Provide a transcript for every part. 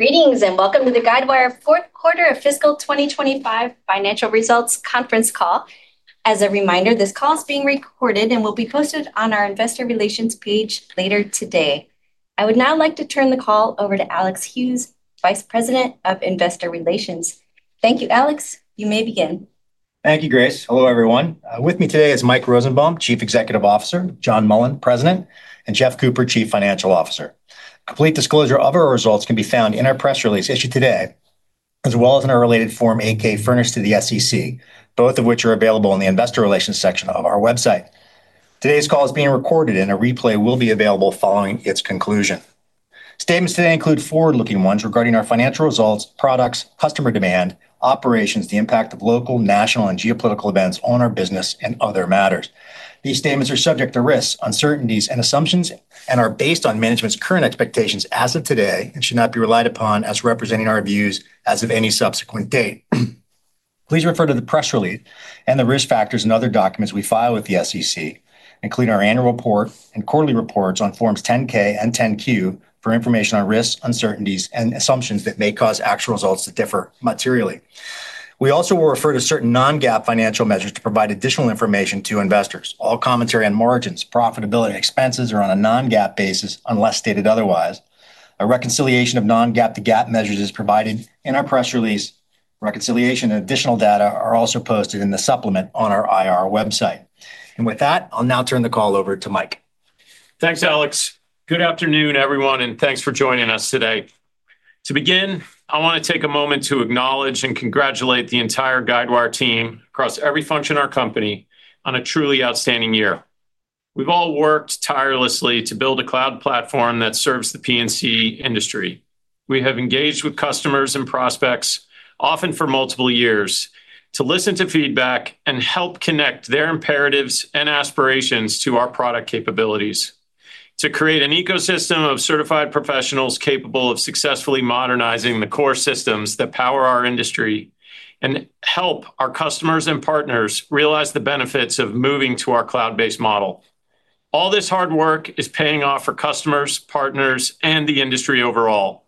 Greetings and welcome to the Guidewire Software fourth quarter of fiscal 2025 financial results conference call. As a reminder, this call is being recorded and will be posted on our investor relations page later today. I would now like to turn the call over to Alex Hughes, Vice President of Investor Relations. Thank you, Alex. You may begin. Thank you, Grace. Hello, everyone. With me today is Mike Rosenbaum, Chief Executive Officer, John Mullen, President, and Jeff Cooper, Chief Financial Officer. A complete disclosure of our results can be found in our press release issued today, as well as in our related Form 8-K furnished to the SEC, both of which are available in the Investor Relations section of our website. Today's call is being recorded, and a replay will be available following its conclusion. Statements today include forward-looking ones regarding our financial results, products, customer demand, operations, the impact of local, national, and geopolitical events on our business, and other matters. These statements are subject to risks, uncertainties, and assumptions, and are based on management's current expectations as of today and should not be relied upon as representing our views as of any subsequent date. Please refer to the press release and the risk factors and other documents we file with the SEC, including our annual report and quarterly reports on Forms 10-K and 10-Q for information on risks, uncertainties, and assumptions that may cause actual results to differ materially. We also will refer to certain non-GAAP financial measures to provide additional information to investors. All commentary on margins, profitability, and expenses are on a non-GAAP basis unless stated otherwise. A reconciliation of non-GAAP to GAAP measures is provided in our press release. Reconciliation and additional data are also posted in the supplement on our IR website. With that, I'll now turn the call over to Mike. Thanks, Alex. Good afternoon, everyone, and thanks for joining us today. To begin, I want to take a moment to acknowledge and congratulate the entire Guidewire team across every function of our company on a truly outstanding year. We've all worked tirelessly to build a cloud platform that serves the P&C industry. We have engaged with customers and prospects often for multiple years to listen to feedback and help connect their imperatives and aspirations to our product capabilities. To create an ecosystem of certified professionals capable of successfully modernizing the core systems that power our industry and help our customers and partners realize the benefits of moving to our cloud-based model. All this hard work is paying off for customers, partners, and the industry overall.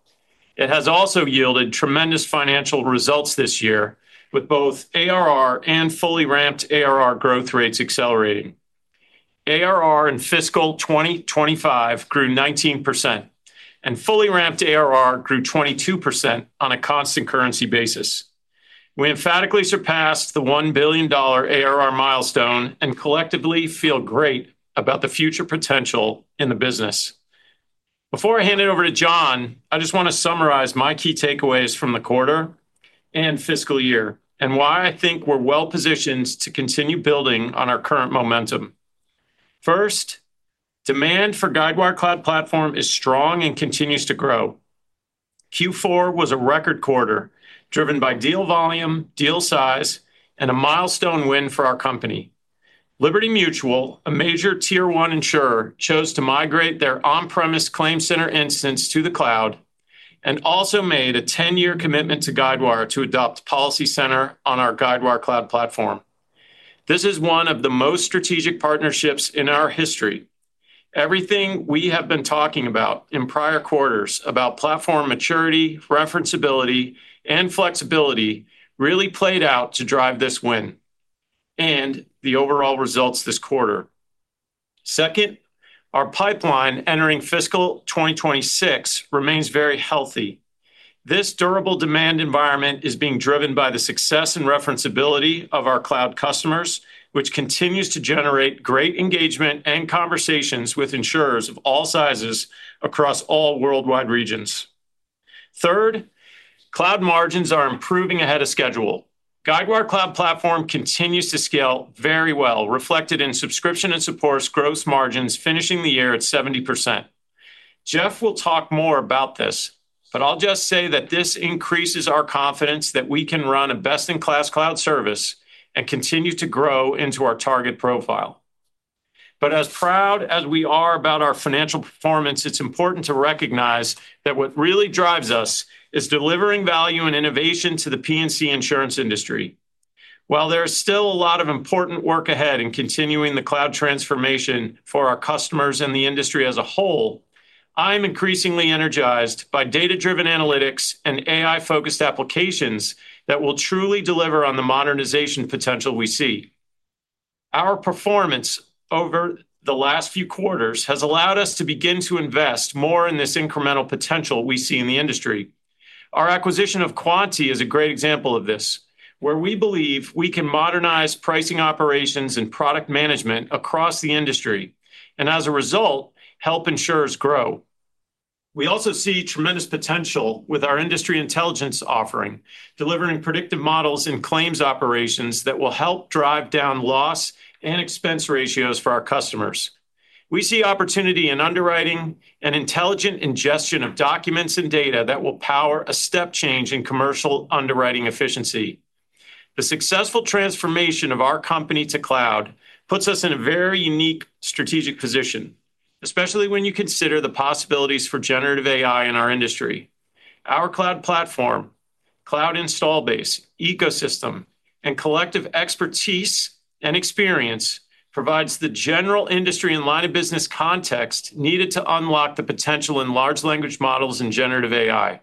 It has also yielded tremendous financial results this year with both ARR and fully ramped ARR growth rates accelerating. ARR in fiscal 2025 grew 19%, and fully ramped ARR grew 22% on a constant currency basis. We emphatically surpassed the $1 billion ARR milestone and collectively feel great about the future potential in the business. Before I hand it over to John, I just want to summarize my key takeaways from the quarter and fiscal year and why I think we're well positioned to continue building on our current momentum. First, demand for the Guidewire Cloud Platform is strong and continues to grow. Q4 was a record quarter driven by deal volume, deal size, and a milestone win for our company. Liberty Mutual, a major Tier 1 insurer, chose to migrate their on-premise ClaimCenter instance to the cloud and also made a 10-year commitment to Guidewire to adopt PolicyCenter on our Guidewire Cloud Platform. This is one of the most strategic partnerships in our history. Everything we have been talking about in prior quarters about platform maturity, referenceability, and flexibility really played out to drive this win and the overall results this quarter. Second, our pipeline entering fiscal 2026 remains very healthy. This durable demand environment is being driven by the success and referenceability of our cloud customers, which continues to generate great engagement and conversations with insurers of all sizes across all worldwide regions. Third, cloud margins are improving ahead of schedule. Guidewire Cloud Platform continues to scale very well, reflected in subscription and supports gross margins finishing the year at 70%. Jeff will talk more about this, but I'll just say that this increases our confidence that we can run a best-in-class cloud service and continue to grow into our target profile. As proud as we are about our financial performance, it's important to recognize that what really drives us is delivering value and innovation to the P&C insurance industry. While there is still a lot of important work ahead in continuing the cloud transformation for our customers and the industry as a whole, I am increasingly energized by data-driven analytics and AI-focused applications that will truly deliver on the modernization potential we see. Our performance over the last few quarters has allowed us to begin to invest more in this incremental potential we see in the industry. Our acquisition of Quanti is a great example of this, where we believe we can modernize pricing operations and product management across the industry and, as a result, help insurers grow. We also see tremendous potential with our Guidewire Industry Intelligence offering, delivering predictive models in claims operations that will help drive down loss and expense ratios for our customers. We see opportunity in underwriting and intelligent ingestion of documents and data that will power a step change in commercial underwriting efficiency. The successful transformation of our company to cloud puts us in a very unique strategic position, especially when you consider the possibilities for generative AI in our industry. Our cloud platform, cloud install base, ecosystem, and collective expertise and experience provide the general industry and line of business context needed to unlock the potential in large language models and generative AI.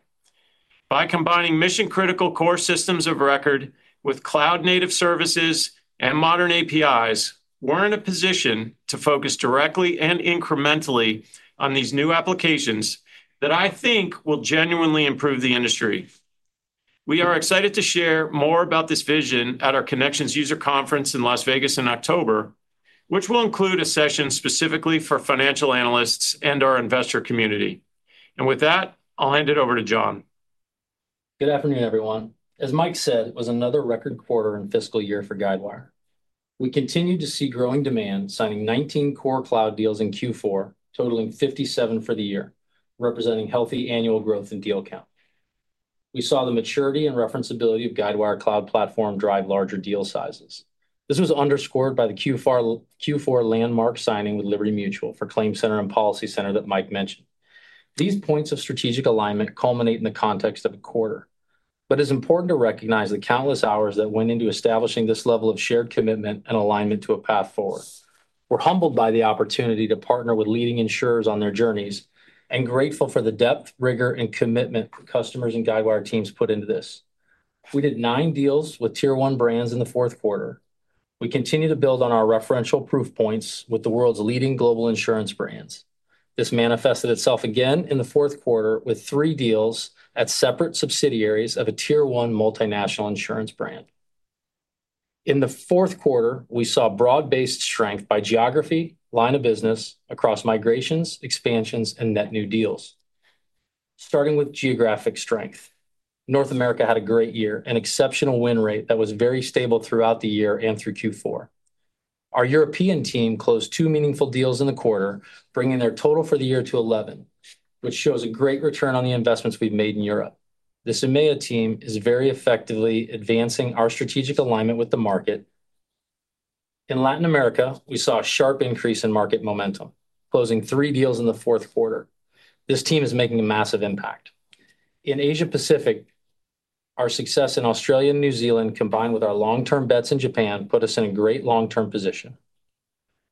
By combining mission-critical core systems of record with cloud-native services and modern APIs, we're in a position to focus directly and incrementally on these new applications that I think will genuinely improve the industry. We are excited to share more about this vision at our Connections User Conference in Las Vegas in October, which will include a session specifically for financial analysts and our investor community. With that, I'll hand it over to John. Good afternoon, everyone. As Mike said, it was another record quarter and fiscal year for Guidewire Software. We continued to see growing demand, signing 19 core cloud deals in Q4, totaling 57 for the year, representing healthy annual growth in deal count. We saw the maturity and referenceability of Guidewire Cloud Platform drive larger deal sizes. This was underscored by the Q4 landmark signing with Liberty Mutual for ClaimCenter and PolicyCenter that Mike mentioned. These points of strategic alignment culminate in the context of the quarter, but it is important to recognize the countless hours that went into establishing this level of shared commitment and alignment to a path forward. We're humbled by the opportunity to partner with leading insurers on their journeys and grateful for the depth, rigor, and commitment customers and Guidewire teams put into this. We did nine deals with Tier 1 brands in the fourth quarter. We continue to build on our referential proof points with the world's leading global insurance brands. This manifested itself again in the fourth quarter with three deals at separate subsidiaries of a Tier 1 multinational insurance brand. In the fourth quarter, we saw broad-based strength by geography, line of business, across migrations, expansions, and net new deals. Starting with geographic strength, North America had a great year, an exceptional win rate that was very stable throughout the year and through Q4. Our European team closed two meaningful deals in the quarter, bringing their total for the year to 11, which shows a great return on the investments we've made in Europe. The Zumaya team is very effectively advancing our strategic alignment with the market. In Latin America, we saw a sharp increase in market momentum, closing three deals in the fourth quarter. This team is making a massive impact. In Asia-Pacific, our success in Australia and New Zealand, combined with our long-term bets in Japan, put us in a great long-term position.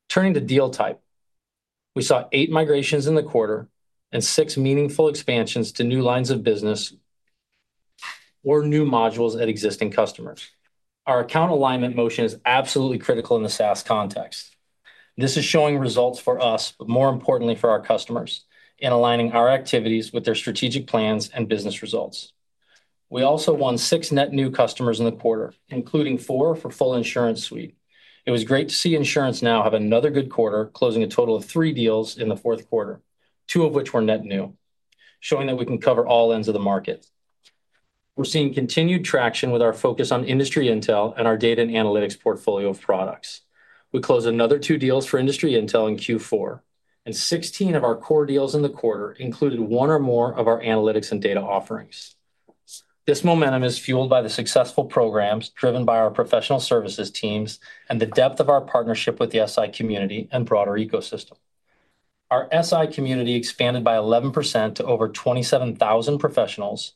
Turning to deal type, we saw eight migrations in the quarter and six meaningful expansions to new lines of business or new modules at existing customers. Our account alignment motion is absolutely critical in the SaaS context. This is showing results for us, but more importantly for our customers, in aligning our activities with their strategic plans and business results. We also won six net new customers in the quarter, including four for the full insurance suite. It was great to see InsuranceNow have another good quarter, closing a total of three deals in the fourth quarter, two of which were net new, showing that we can cover all ends of the market. We're seeing continued traction with our focus on industry intel and our data and analytics portfolio of products. We closed another two deals for industry intel in Q4, and 16 of our core deals in the quarter included one or more of our analytics and data offerings. This momentum is fueled by the successful programs driven by our professional services teams and the depth of our partnership with the SI community and broader ecosystem. Our SI community expanded by 11% to over 27,000 professionals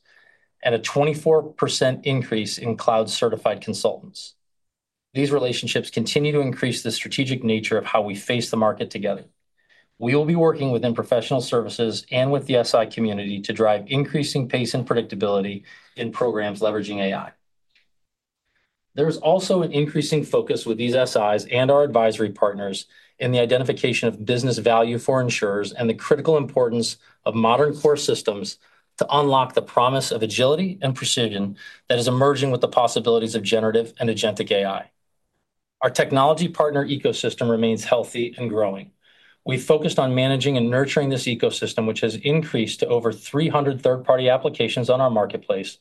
and a 24% increase in cloud-certified consultants. These relationships continue to increase the strategic nature of how we face the market together. We will be working within professional services and with the SI community to drive increasing pace and predictability in programs leveraging AI. There is also an increasing focus with these SIs and our advisory partners in the identification of business value for insurers and the critical importance of modern core systems to unlock the promise of agility and precision that is emerging with the possibilities of generative and agentic AI. Our technology partner ecosystem remains healthy and growing. We focused on managing and nurturing this ecosystem, which has increased to over 300 third-party applications on our marketplace,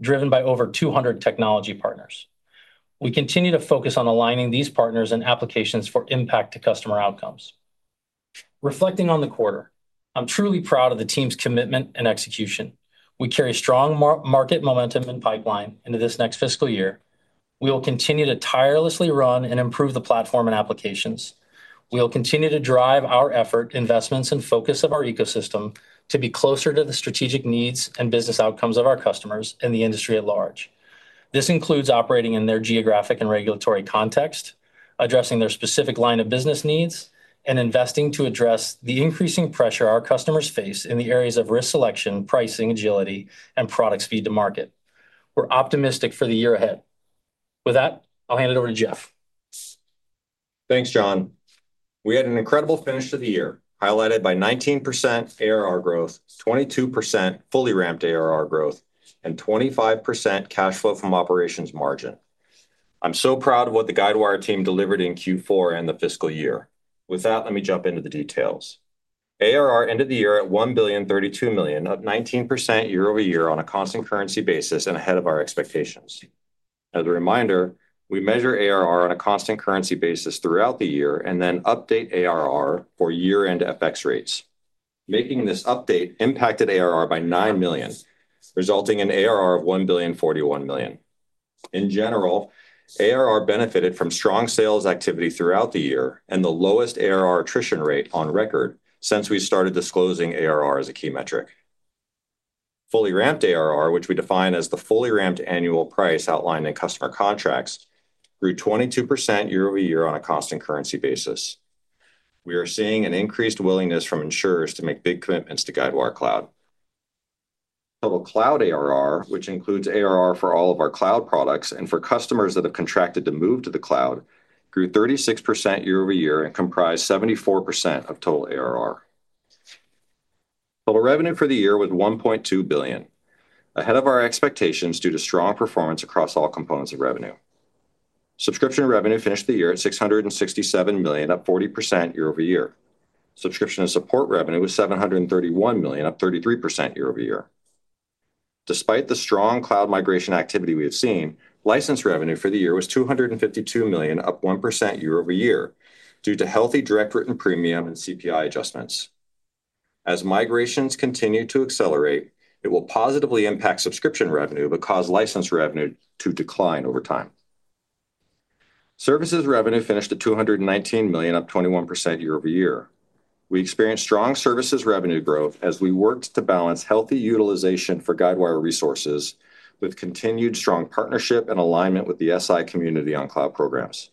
driven by over 200 technology partners. We continue to focus on aligning these partners and applications for impact to customer outcomes. Reflecting on the quarter, I'm truly proud of the team's commitment and execution. We carry strong market momentum and pipeline into this next fiscal year. We will continue to tirelessly run and improve the platform and applications. We will continue to drive our effort, investments, and focus of our ecosystem to be closer to the strategic needs and business outcomes of our customers and the industry at large. This includes operating in their geographic and regulatory context, addressing their specific line of business needs, and investing to address the increasing pressure our customers face in the areas of risk selection, pricing, agility, and product speed to market. We're optimistic for the year ahead. With that, I'll hand it over to Jeff. Thanks, John. We had an incredible finish to the year, highlighted by 19% ARR growth, 22% fully ramped ARR growth, and 25% cash flow from operations margin. I'm so proud of what the Guidewire team delivered in Q4 and the fiscal year. With that, let me jump into the details. ARR ended the year at $1.032 billion, up 19% year-over-year on a constant currency basis and ahead of our expectations. As a reminder, we measure ARR on a constant currency basis throughout the year and then update ARR for year-end FX rates. Making this update impacted ARR by $9 million, resulting in ARR of $1.041 billion. In general, ARR benefited from strong sales activity throughout the year and the lowest ARR attrition rate on record since we started disclosing ARR as a key metric. Fully ramped ARR, which we define as the fully ramped annual price outlined in customer contracts, grew 22% year-over-year on a constant currency basis. We are seeing an increased willingness from insurers to make big commitments to Guidewire Cloud. Total cloud ARR, which includes ARR for all of our cloud products and for customers that have contracted to move to the cloud, grew 36% year-over-year and comprised 74% of total ARR. Total revenue for the year was $1.2 billion, ahead of our expectations due to strong performance across all components of revenue. Subscription revenue finished the year at $667 million, up 40% year-over-year. Subscription and support revenue was $731 million, up 33% year-over-year. Despite the strong cloud migration activity we have seen, license revenue for the year was $252 million, up 1% year-over-year due to healthy direct written premium and CPI adjustments. As migrations continue to accelerate, it will positively impact subscription revenue, but cause license revenue to decline over time. Services revenue finished at $219 million, up 21% year-over-year. We experienced strong services revenue growth as we worked to balance healthy utilization for Guidewire resources with continued strong partnership and alignment with the SI community on cloud programs.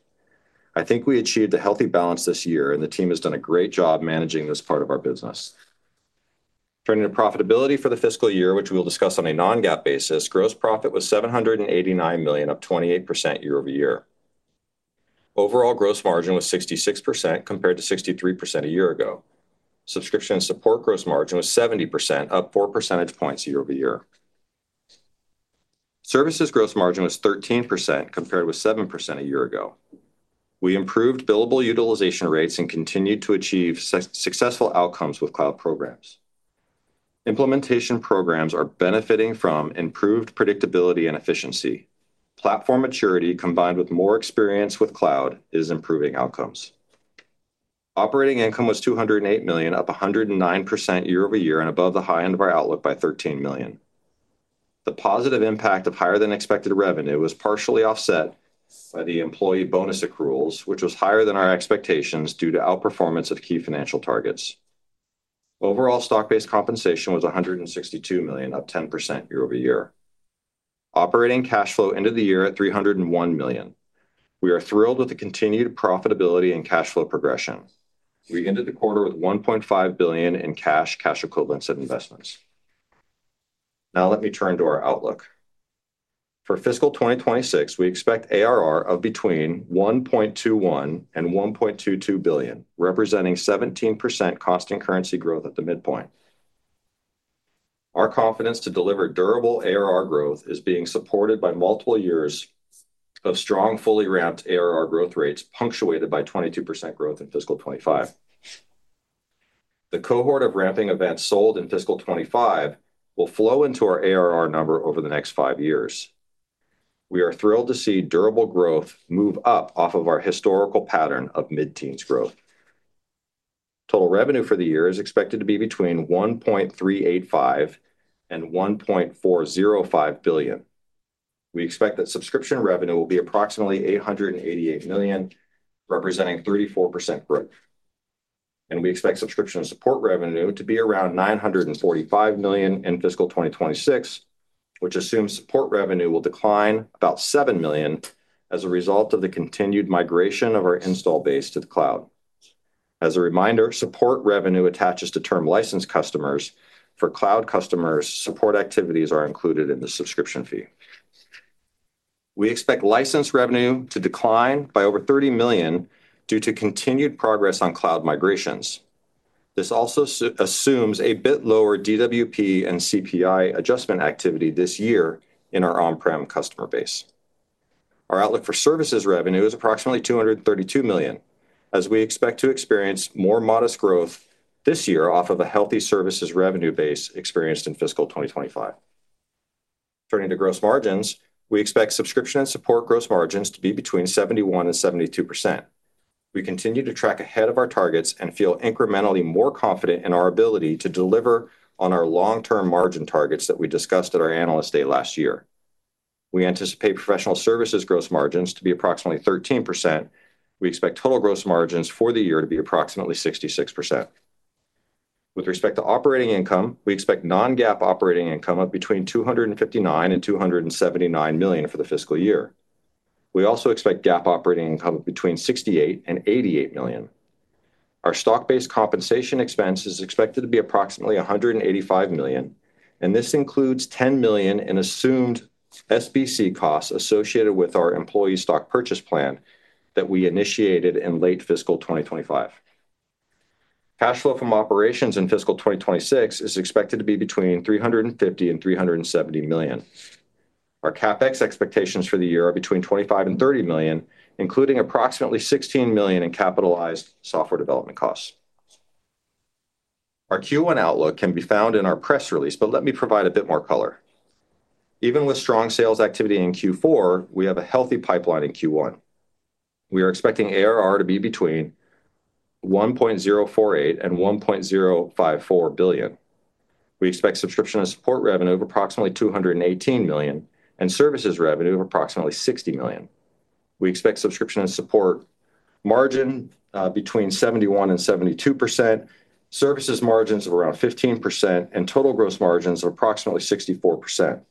I think we achieved a healthy balance this year, and the team has done a great job managing this part of our business. Turning to profitability for the fiscal year, which we will discuss on a non-GAAP basis, gross profit was $789 million, up 28% year-over-year. Overall gross margin was 66% compared to 63% a year ago. Subscription and support gross margin was 70%, up 4 percentage points year-over-year. Services gross margin was 13% compared with 7% a year ago. We improved billable utilization rates and continued to achieve successful outcomes with cloud programs. Implementation programs are benefiting from improved predictability and efficiency. Platform maturity, combined with more experience with cloud, is improving outcomes. Operating income was $208 million, up 109% year-over-year and above the high end of our outlook by $13 million. The positive impact of higher-than-expected revenue was partially offset by the employee bonus accruals, which was higher than our expectations due to outperformance of key financial targets. Overall stock-based compensation was $162 million, up 10% year-over-year. Operating cash flow ended the year at $301 million. We are thrilled with the continued profitability and cash flow progression. We ended the quarter with $1.5 billion in cash, cash equivalents, and investments. Now let me turn to our outlook. For fiscal 2026, we expect ARR of between $1.21 and $1.22 billion, representing 17% constant currency growth at the midpoint. Our confidence to deliver durable ARR growth is being supported by multiple years of strong fully ramped ARR growth rates punctuated by 22% growth in fiscal 2025. The cohort of ramping events sold in fiscal 2025 will flow into our ARR number over the next five years. We are thrilled to see durable growth move up off of our historical pattern of mid-teens growth. Total revenue for the year is expected to be between $1.385 and $1.405 billion. We expect that subscription revenue will be approximately $888 million, representing 34% growth. We expect subscription and support revenue to be around $945 million in fiscal 2026, which assumes support revenue will decline about $7 million as a result of the continued migration of our install base to the cloud. As a reminder, support revenue attaches to term license customers. For cloud customers, support activities are included in the subscription fee. We expect license revenue to decline by over $30 million due to continued progress on cloud migrations. This also assumes a bit lower DWP and CPI adjustment activity this year in our on-prem customer base. Our outlook for services revenue is approximately $232 million, as we expect to experience more modest growth this year off of a healthy services revenue base experienced in fiscal 2025. Turning to gross margins, we expect subscription and support gross margins to be between 71% and 72%. We continue to track ahead of our targets and feel incrementally more confident in our ability to deliver on our long-term margin targets that we discussed at our analyst day last year. We anticipate professional services gross margins to be approximately 13%. We expect total gross margins for the year to be approximately 66%. With respect to operating income, we expect non-GAAP operating income of between $259 million and $279 million for the fiscal year. We also expect GAAP operating income of between $68 million and $88 million. Our stock-based compensation expense is expected to be approximately $185 million, and this includes $10 million in assumed SBC costs associated with our employee stock purchase plan that we initiated in late fiscal 2025. Cash flow from operations in fiscal 2026 is expected to be between $350 million and $370 million. Our CapEx expectations for the year are between $25 million and $30 million, including approximately $16 million in capitalized software development costs. Our Q1 outlook can be found in our press release, but let me provide a bit more color. Even with strong sales activity in Q4, we have a healthy pipeline in Q1. We are expecting ARR to be between $1.048 billion and $1.054 billion. We expect subscription and support revenue of approximately $218 million and services revenue of approximately $60 million. We expect subscription and support margin between 71% and 72%, services margins of around 15%, and total gross margins of approximately 64%.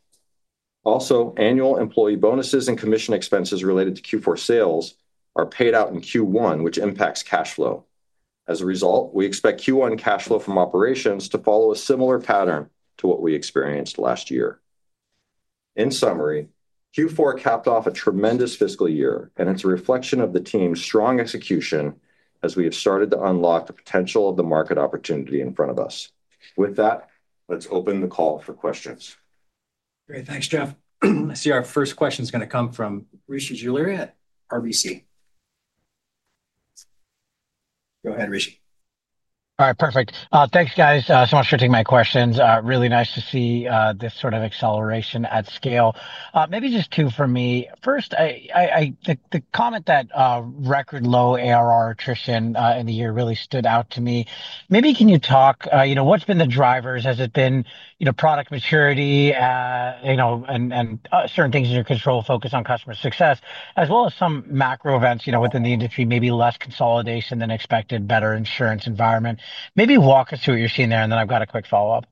Also, annual employee bonuses and commission expenses related to Q4 sales are paid out in Q1, which impacts cash flow. As a result, we expect Q1 cash flow from operations to follow a similar pattern to what we experienced last year. In summary, Q4 capped off a tremendous fiscal year, and it's a reflection of the team's strong execution as we have started to unlock the potential of the market opportunity in front of us. With that, let's open the call for questions. Great. Thanks, Jeff. I see our first question is going to come from Rishi Nitya Jaluria at RBC. All right, perfect. Thanks, guys, so much for taking my questions. Really nice to see this sort of acceleration at scale. Maybe just two for me. First, I think the comment that record low ARR attrition in the year really stood out to me. Maybe can you talk, you know, what's been the drivers? Has it been, you know, product maturity, you know, and certain things in your control, focus on customer success, as well as some macro events, you know, within the industry, maybe less consolidation than expected, better insurance environment? Maybe walk us through what you're seeing there, and then I've got a quick follow-up.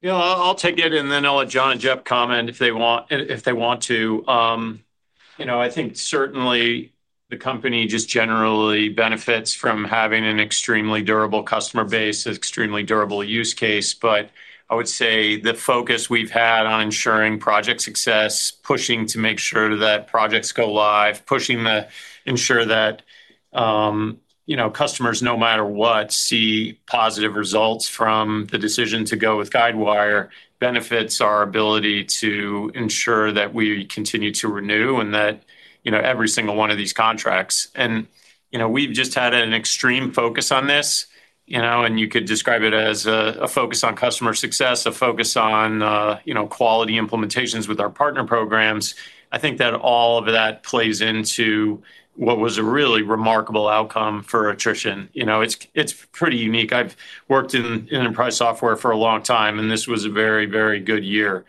Yeah, I'll take it, and then I'll let John and Jeff comment if they want to. I think certainly the company just generally benefits from having an extremely durable customer base, an extremely durable use case. I would say the focus we've had on ensuring project success, pushing to make sure that projects go live, pushing to ensure that customers, no matter what, see positive results from the decision to go with Guidewire benefits our ability to ensure that we continue to renew every single one of these contracts. We've just had an extreme focus on this, and you could describe it as a focus on customer success, a focus on quality implementations with our partner programs. I think that all of that plays into what was a really remarkable outcome for attrition. It's pretty unique. I've worked in enterprise software for a long time, and this was a very, very good year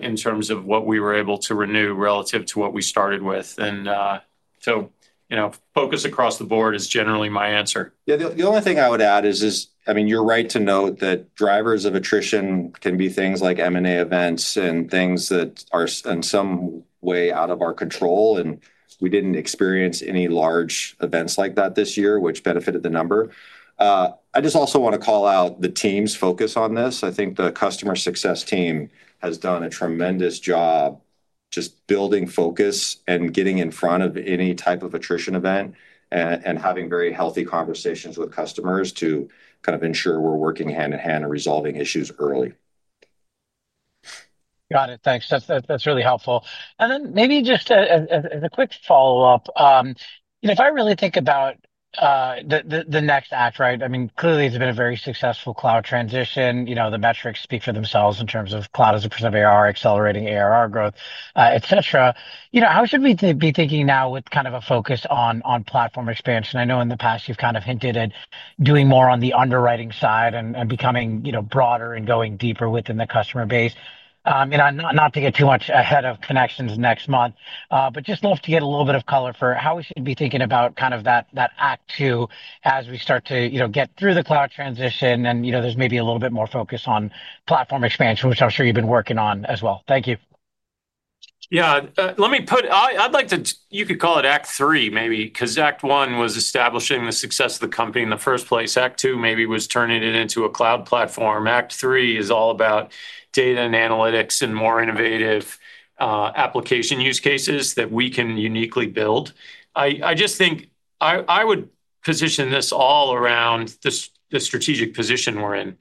in terms of what we were able to renew relative to what we started with. Focus across the board is generally my answer. Yeah, the only thing I would add is, I mean, you're right to note that drivers of attrition can be things like M&A events and things that are in some way out of our control. We didn't experience any large events like that this year, which benefited the number. I just also want to call out the team's focus on this. I think the Customer Success team has done a tremendous job just building focus and getting in front of any type of attrition event and having very healthy conversations with customers to kind of ensure we're working hand in hand and resolving issues early. Got it. Thanks. That's really helpful. Maybe just as a quick follow-up, if I really think about the next act, right, I mean, clearly it's been a very successful cloud transition. The metrics speak for themselves in terms of cloud as a % of ARR, accelerating ARR growth, et cetera. How should we be thinking now with kind of a focus on platform expansion? I know in the past you've kind of hinted at doing more on the underwriting side and becoming broader and going deeper within the customer base. Not to get too much ahead of Connections next month, but just love to get a little bit of color for how we should be thinking about that act two as we start to get through the cloud transition and there's maybe a little bit more focus on platform expansion, which I'm sure you've been working on as well. Thank you. Yeah, let me put, I'd like to, you could call it act three maybe because act one was establishing the success of the company in the first place. Act two maybe was turning it into a cloud platform. Act three is all about data and analytics and more innovative application use cases that we can uniquely build. I just think I would position this all around the strategic position we're in.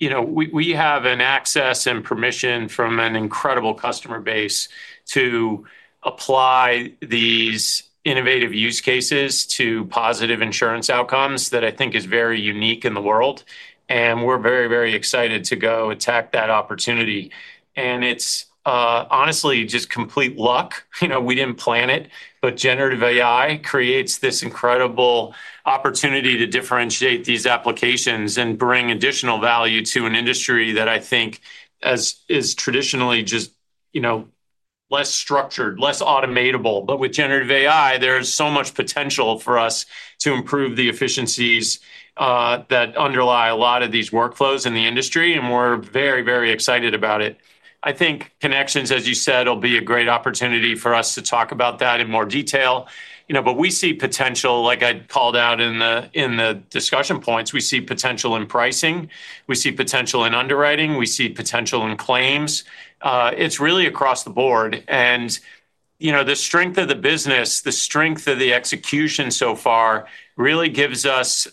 We have an access and permission from an incredible customer base to apply these innovative use cases to positive insurance outcomes that I think is very unique in the world. We're very, very excited to go attack that opportunity. It's honestly just complete luck. We didn't plan it, but generative AI creates this incredible opportunity to differentiate these applications and bring additional value to an industry that I think is traditionally just, you know, less structured, less automatable. With generative AI, there's so much potential for us to improve the efficiencies that underlie a lot of these workflows in the industry, and we're very, very excited about it. I think Connections, as you said, will be a great opportunity for us to talk about that in more detail. We see potential, like I called out in the discussion points, we see potential in pricing. We see potential in underwriting. We see potential in claims. It's really across the board. The strength of the business, the strength of the execution so far really gives us,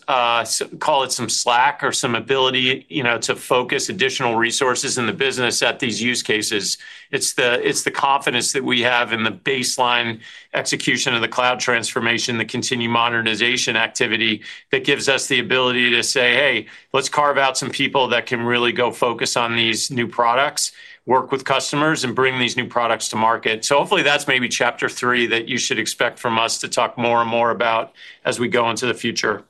call it some slack or some ability, to focus additional resources in the business at these use cases. It's the confidence that we have in the baseline execution of the cloud transformation, the continued modernization activity that gives us the ability to say, hey, let's carve out some people that can really go focus on these new products, work with customers, and bring these new products to market. Hopefully that's maybe chapter three that you should expect from us to talk more and more about as we go into the future.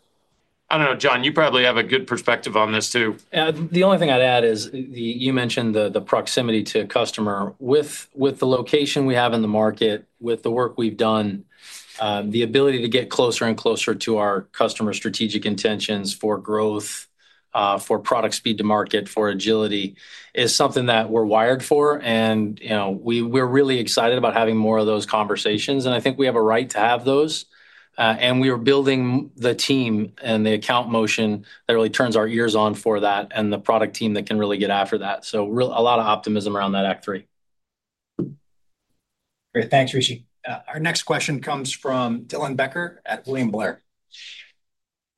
I don't know, John, you probably have a good perspective on this too. The only thing I'd add is you mentioned the proximity to a customer. With the location we have in the market, with the work we've done, the ability to get closer and closer to our customer's strategic intentions for growth, for product speed to market, for agility is something that we're wired for. We're really excited about having more of those conversations. I think we have a right to have those. We are building the team and the account motion that really turns our ears on for that and the product team that can really get after that. A lot of optimism around that act three. Thanks, Rishi. Our next question comes from Dylan Becker at William Blair.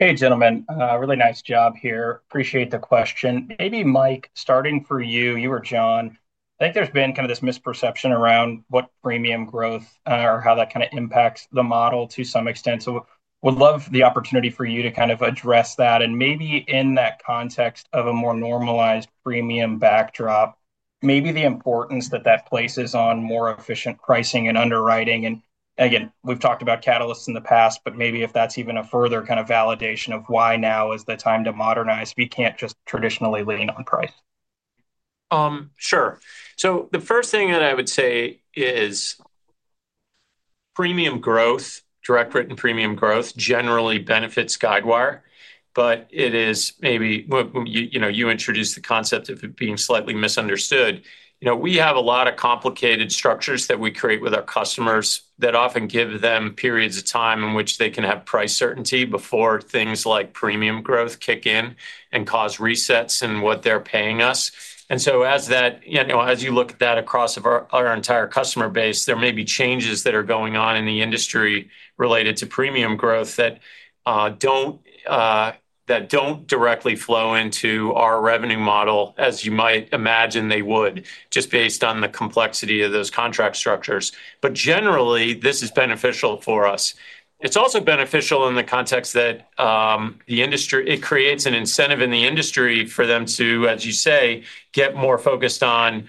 Hey, gentlemen. Really nice job here. Appreciate the question. Maybe Mike, starting for you, you or John, I think there's been kind of this misperception around what premium growth or how that kind of impacts the model to some extent. I would love the opportunity for you to kind of address that. Maybe in that context of a more normalized premium backdrop, the importance that that places on more efficient pricing and underwriting. We've talked about catalysts in the past, but maybe if that's even a further kind of validation of why now is the time to modernize, we can't just traditionally lean on price. Sure. The first thing that I would say is premium growth, direct written premium growth generally benefits Guidewire. It is maybe, you know, you introduced the concept of it being slightly misunderstood. We have a lot of complicated structures that we create with our customers that often give them periods of time in which they can have price certainty before things like premium growth kick in and cause resets in what they're paying us. As you look at that across our entire customer base, there may be changes that are going on in the industry related to premium growth that don't directly flow into our revenue model, as you might imagine they would, just based on the complexity of those contract structures. Generally, this is beneficial for us. It's also beneficial in the context that the industry, it creates an incentive in the industry for them to, as you say, get more focused on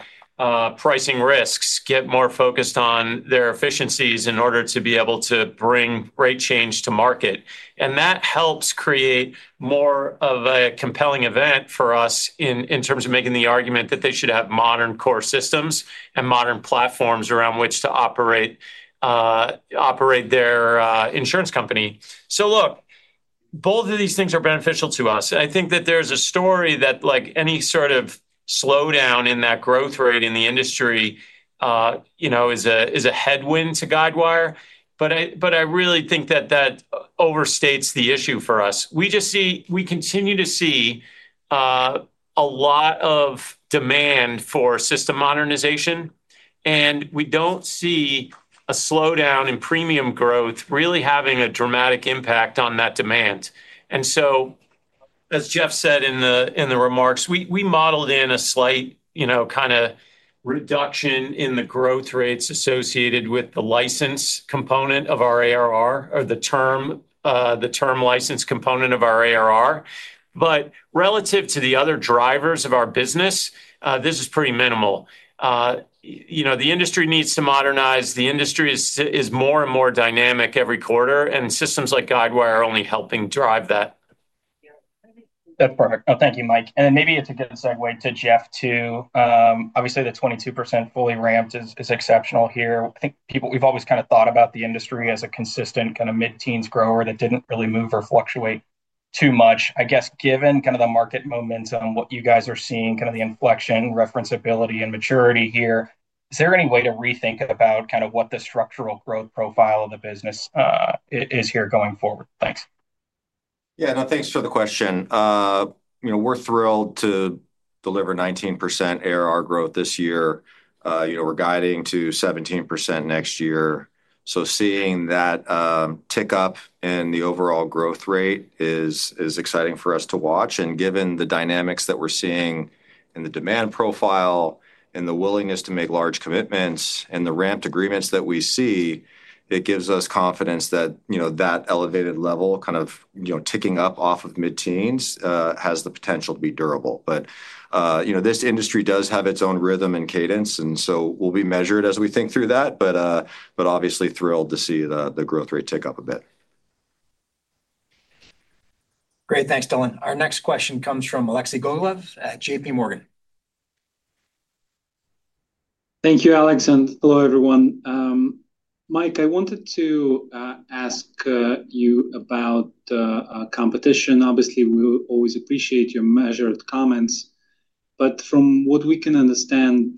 pricing risks, get more focused on their efficiencies in order to be able to bring great change to market. That helps create more of a compelling event for us in terms of making the argument that they should have modern core systems and modern platforms around which to operate their insurance company. Both of these things are beneficial to us. I think that there's a story that, like any sort of slowdown in that growth rate in the industry, you know, is a headwind to Guidewire. I really think that that overstates the issue for us. We just see, we continue to see a lot of demand for system modernization, and we don't see a slowdown in premium growth really having a dramatic impact on that demand. As Jeff said in the remarks, we modeled in a slight, you know, kind of reduction in the growth rates associated with the license component of our ARR or the term, the term license component of our ARR. Relative to the other drivers of our business, this is pretty minimal. The industry needs to modernize. The industry is more and more dynamic every quarter, and systems like Guidewire are only helping drive that. Thank you, Mike. Maybe it's a good segue to Jeff too. Obviously, the 22% fully ramped is exceptional here. I think people, we've always kind of thought about the industry as a consistent kind of mid-teens grower that didn't really move or fluctuate too much. I guess given kind of the market momentum, what you guys are seeing, kind of the inflection, referenceability, and maturity here, is there any way to rethink about kind of what the structural growth profile of the business is here going forward? Thanks. Yeah, no, thanks for the question. We're thrilled to deliver 19% ARR growth this year. We're guiding to 17% next year. Seeing that tick up in the overall growth rate is exciting for us to watch. Given the dynamics that we're seeing in the demand profile and the willingness to make large commitments and the ramped agreements that we see, it gives us confidence that elevated level, kind of ticking up off of mid-teens, has the potential to be durable. This industry does have its own rhythm and cadence, and we'll be measured as we think through that. Obviously, thrilled to see the growth rate tick up a bit. Great, thanks, Dylan. Our next question comes from Alexei Mihavlovich Gogoley at JPMorgan. Thank you, Alex, and hello everyone. Mike, I wanted to ask you about the competition. Obviously, we always appreciate your measured comments. From what we can understand,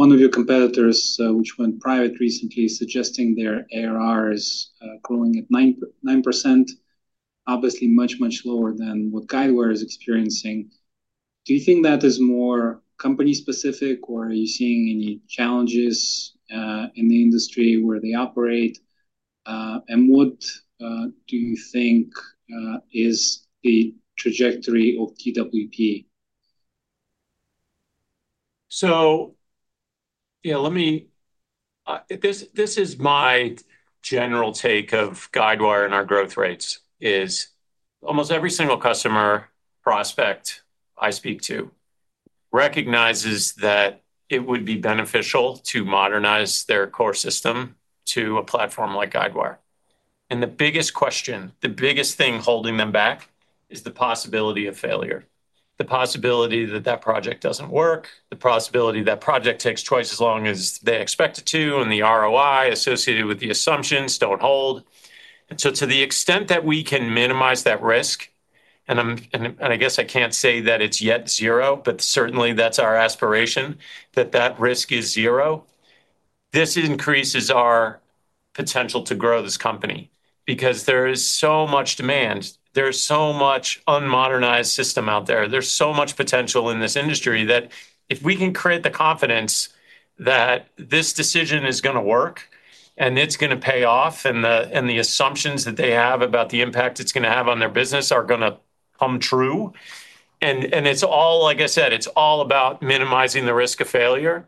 one of your competitors, which went private recently, is suggesting their ARR is growing at 9%, obviously much, much lower than what Guidewire is experiencing. Do you think that is more company-specific, or are you seeing any challenges in the industry where they operate? What do you think is the trajectory of DWP? Let me, this is my general take of Guidewire Software and our growth rates. Almost every single customer prospect I speak to recognizes that it would be beneficial to modernize their core system to a platform like Guidewire Software. The biggest question, the biggest thing holding them back is the possibility of failure, the possibility that that project doesn't work, the possibility that that project takes twice as long as they expect it to, and the ROI associated with the assumptions don't hold. To the extent that we can minimize that risk, and I guess I can't say that it's yet zero, but certainly that's our aspiration that that risk is zero, this increases our potential to grow this company because there is so much demand. There's so much unmodernized system out there. There's so much potential in this industry that if we can create the confidence that this decision is going to work and it's going to pay off and the assumptions that they have about the impact it's going to have on their business are going to come true. It's all, like I said, it's all about minimizing the risk of failure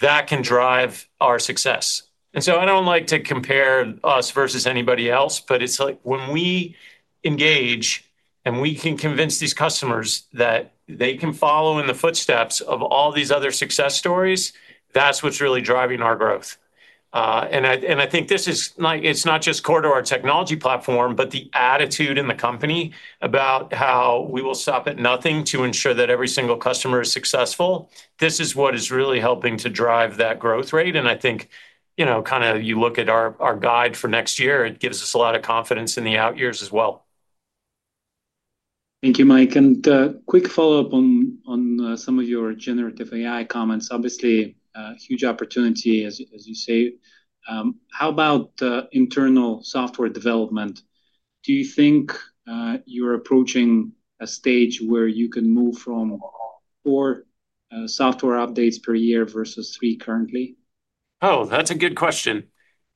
that can drive our success. I don't like to compare us versus anybody else, but it's like when we engage and we can convince these customers that they can follow in the footsteps of all these other success stories, that's what's really driving our growth. I think this is like, it's not just core to our technology platform, but the attitude in the company about how we will stop at nothing to ensure that every single customer is successful. This is what is really helping to drive that growth rate. I think, you know, kind of you look at our guide for next year, it gives us a lot of confidence in the out years as well. Thank you, Mike. A quick follow-up on some of your generative AI comments. Obviously, a huge opportunity, as you say. How about the internal software development? Do you think you're approaching a stage where you can move from four software updates per year versus three currently? Oh, that's a good question.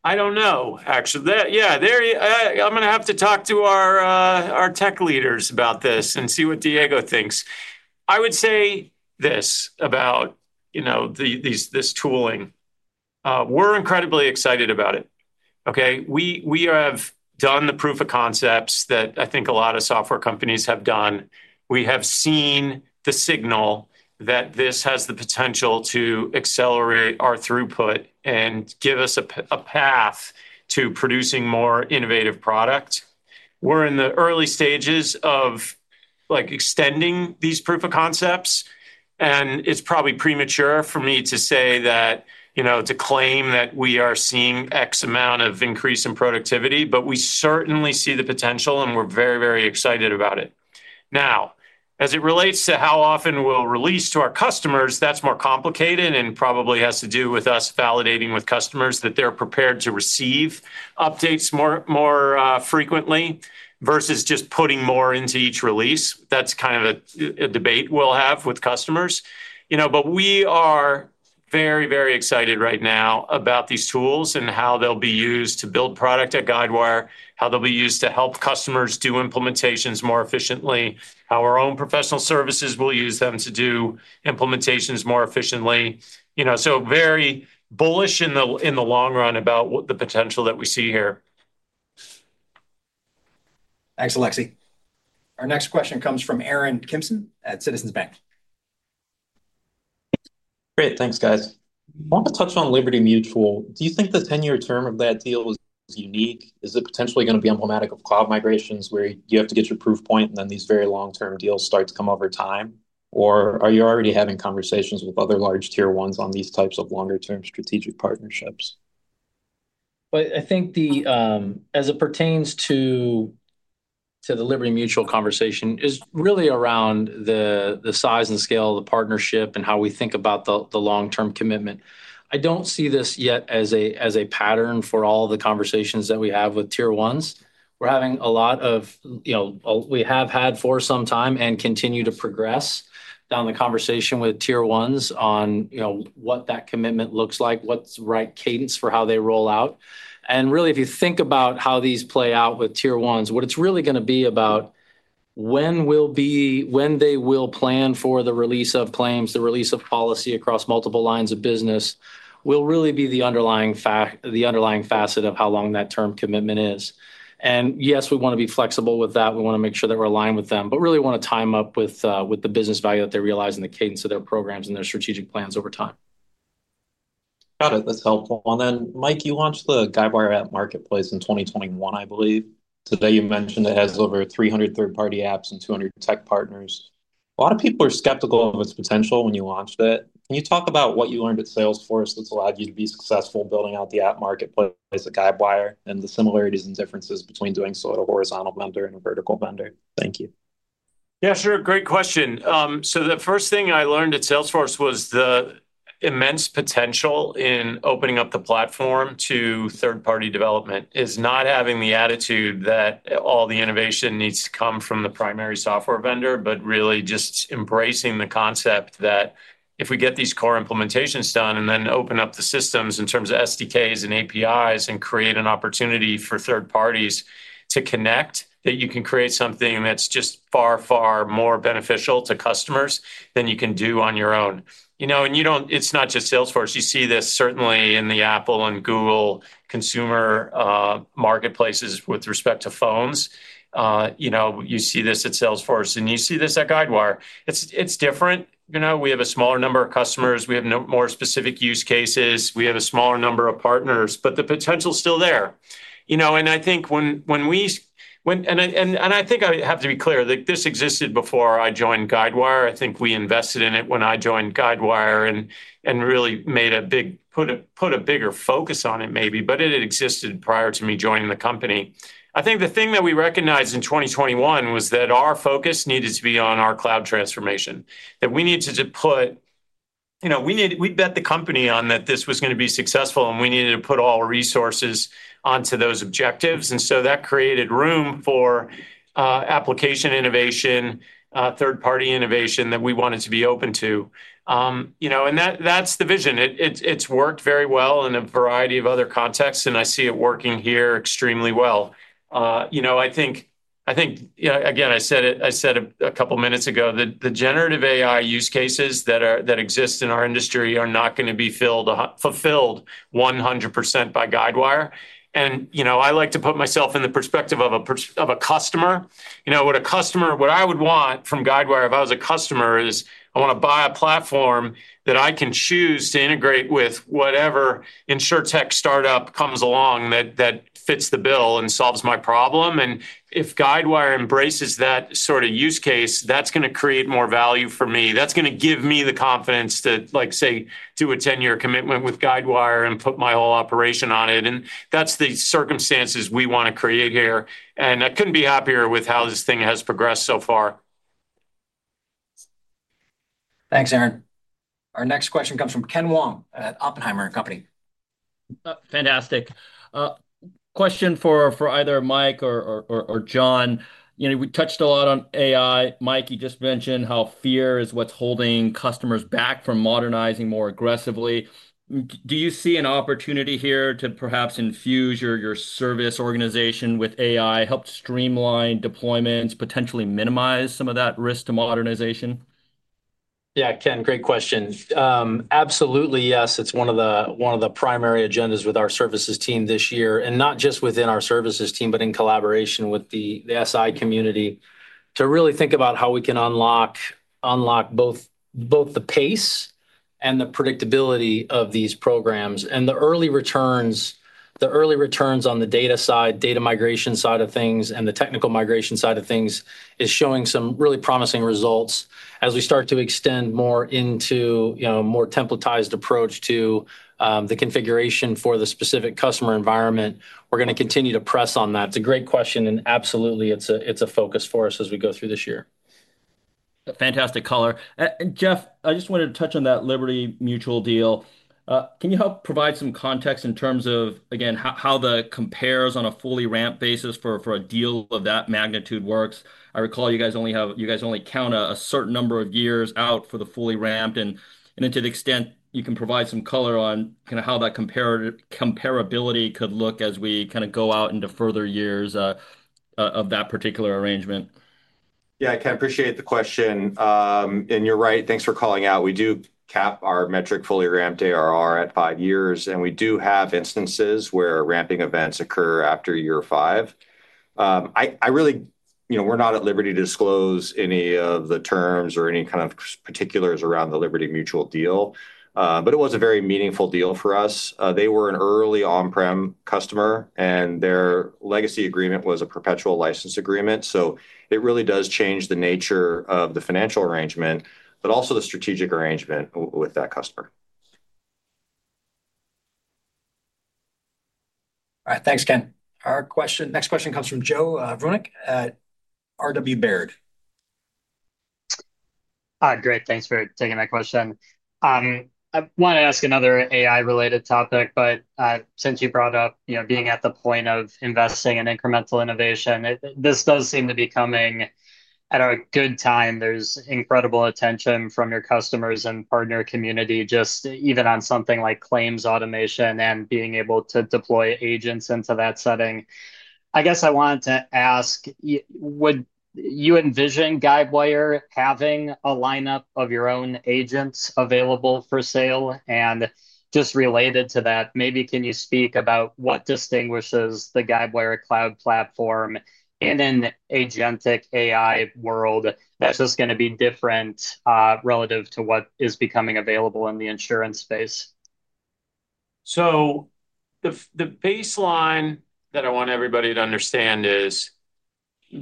I don't know, actually. I'm going to have to talk to our tech leaders about this and see what Diego thinks. I would say this about this tooling. We're incredibly excited about it. We have done the proof of concepts that I think a lot of software companies have done. We have seen the signal that this has the potential to accelerate our throughput and give us a path to producing more innovative products. We're in the early stages of extending these proof of concepts. It's probably premature for me to say that, to claim that we are seeing X amount of increase in productivity, but we certainly see the potential and we're very, very excited about it. Now, as it relates to how often we'll release to our customers, that's more complicated and probably has to do with us validating with customers that they're prepared to receive updates more frequently versus just putting more into each release. That's kind of a debate we'll have with customers. We are very, very excited right now about these tools and how they'll be used to build product at Guidewire Software, how they'll be used to help customers do implementations more efficiently, how our own professional services will use them to do implementations more efficiently. Very bullish in the long run about the potential that we see here. Thanks, Alexei. Our next question comes from Aaron Jacob Kimson at Citizens Bank. Great, thanks, guys. I want to touch on Liberty Mutual. Do you think the 10-year term of that deal is unique? Is it potentially going to be emblematic of cloud migrations where you have to get your proof point and then these very long-term deals start to come over time? Are you already having conversations with other large Tier 1s on these types of longer-term strategic partnerships? As it pertains to the Liberty Mutual conversation, it is really around the size and scale of the partnership and how we think about the long-term commitment. I do not see this yet as a pattern for all the conversations that we have with tier ones. We are having a lot of, you know, we have had for some time and continue to progress down the conversation with tier ones on what that commitment looks like, what is the right cadence for how they roll out. If you think about how these play out with tier ones, what it is really going to be about is when they will plan for the release of claims, the release of policy across multiple lines of business will really be the underlying facet of how long that term commitment is. Yes, we want to be flexible with that. We want to make sure that we are aligned with them, but really want to time up with the business value that they realize and the cadence of their programs and their strategic plans over time. Got it. That's helpful. Mike, you launched the Guidewire Marketplace in 2021, I believe. Today, you mentioned it has over 300 third-party apps and 200 tech partners. A lot of people are skeptical of its potential when you launched it. Can you talk about what you learned at Salesforce that's allowed you to be successful in building out the app Marketplace at Guidewire and the similarities and differences between doing so at a horizontal vendor and a vertical vendor? Thank you. Yeah, sure. Great question. The first thing I learned at Salesforce was the immense potential in opening up the platform to third-party development. It is not having the attitude that all the innovation needs to come from the primary software vendor, but really just embracing the concept that if we get these core implementations done and then open up the systems in terms of SDKs and APIs and create an opportunity for third parties to connect, you can create something that's just far, far more beneficial to customers than you can do on your own. You see this certainly in the Apple and Google consumer marketplaces with respect to phones. You see this at Salesforce and you see this at Guidewire. It's different. We have a smaller number of customers. We have more specific use cases. We have a smaller number of partners, but the potential is still there. I have to be clear, this existed before I joined Guidewire. We invested in it when I joined Guidewire and really put a bigger focus on it maybe, but it had existed prior to me joining the company. The thing that we recognized in 2021 was that our focus needed to be on our cloud transformation, that we needed to bet the company on that this was going to be successful and we needed to put all the resources onto those objectives. That created room for application innovation, third-party innovation that we wanted to be open to. That's the vision. It's worked very well in a variety of other contexts and I see it working here extremely well. I said a couple of minutes ago that the generative AI use cases that exist in our industry are not going to be fulfilled 100% by Guidewire. I like to put myself in the perspective of a customer. What I would want from Guidewire if I was a customer is I want to buy a platform that I can choose to integrate with whatever insurtech startup comes along that fits the bill and solves my problem. If Guidewire embraces that sort of use case, that's going to create more value for me. That's going to give me the confidence to, like, say, do a 10-year commitment with Guidewire and put my whole operation on it. That's the circumstances we want to create here. I couldn't be happier with how this thing has progressed so far. Thanks, Aaron. Our next question comes from Ken Wong at Oppenheimer & Co. Fantastic. Question for either Mike or John. You know, we touched a lot on AI. Mike, you just mentioned how fear is what's holding customers back from modernizing more aggressively. Do you see an opportunity here to perhaps infuse your service organization with AI, help streamline deployments, potentially minimize some of that risk to modernization? Yeah, Ken, great question. Absolutely, yes. It's one of the primary agendas with our services team this year, not just within our services team, but in collaboration with the SI community to really think about how we can unlock both the pace and the predictability of these programs. The early returns on the data side, data migration side of things, and the technical migration side of things is showing some really promising results as we start to extend more into, you know, a more templatized approach to the configuration for the specific customer environment. We're going to continue to press on that. It's a great question, and absolutely, it's a focus for us as we go through this year. Fantastic caller. Jeff, I just wanted to touch on that Liberty Mutual deal. Can you help provide some context in terms of, again, how that compares on a fully ramped basis for a deal of that magnitude? I recall you guys only count a certain number of years out for the fully ramped. To the extent you can provide some color on how that comparability could look as we go out into further years of that particular arrangement. Yeah, Ken, I appreciate the question. You're right. Thanks for calling out. We do cap our metric fully ramped ARR at five years, and we do have instances where ramping events occur after year five. I really, you know, we're not at liberty to disclose any of the terms or any kind of particulars around the Liberty Mutual deal, but it was a very meaningful deal for us. They were an early on-prem customer, and their legacy agreement was a perpetual license agreement. It really does change the nature of the financial arrangement, but also the strategic arrangement with that customer. All right, thanks, Ken. Our next question comes from Joe Brunick at RW Baird. Great, thanks for taking that question. I want to ask another AI-related topic. Since you brought up being at the point of investing in incremental innovation, this does seem to be coming at a good time. There's incredible attention from your customers and partner community, just even on something like claims automation and being able to deploy agents into that setting. I guess I want to ask, would you envision Guidewire having a lineup of your own agents available for sale? Just related to that, maybe can you speak about what distinguishes the Guidewire Cloud Platform in an agentic AI world that's just going to be different relative to what is becoming available in the insurance space? The baseline that I want everybody to understand is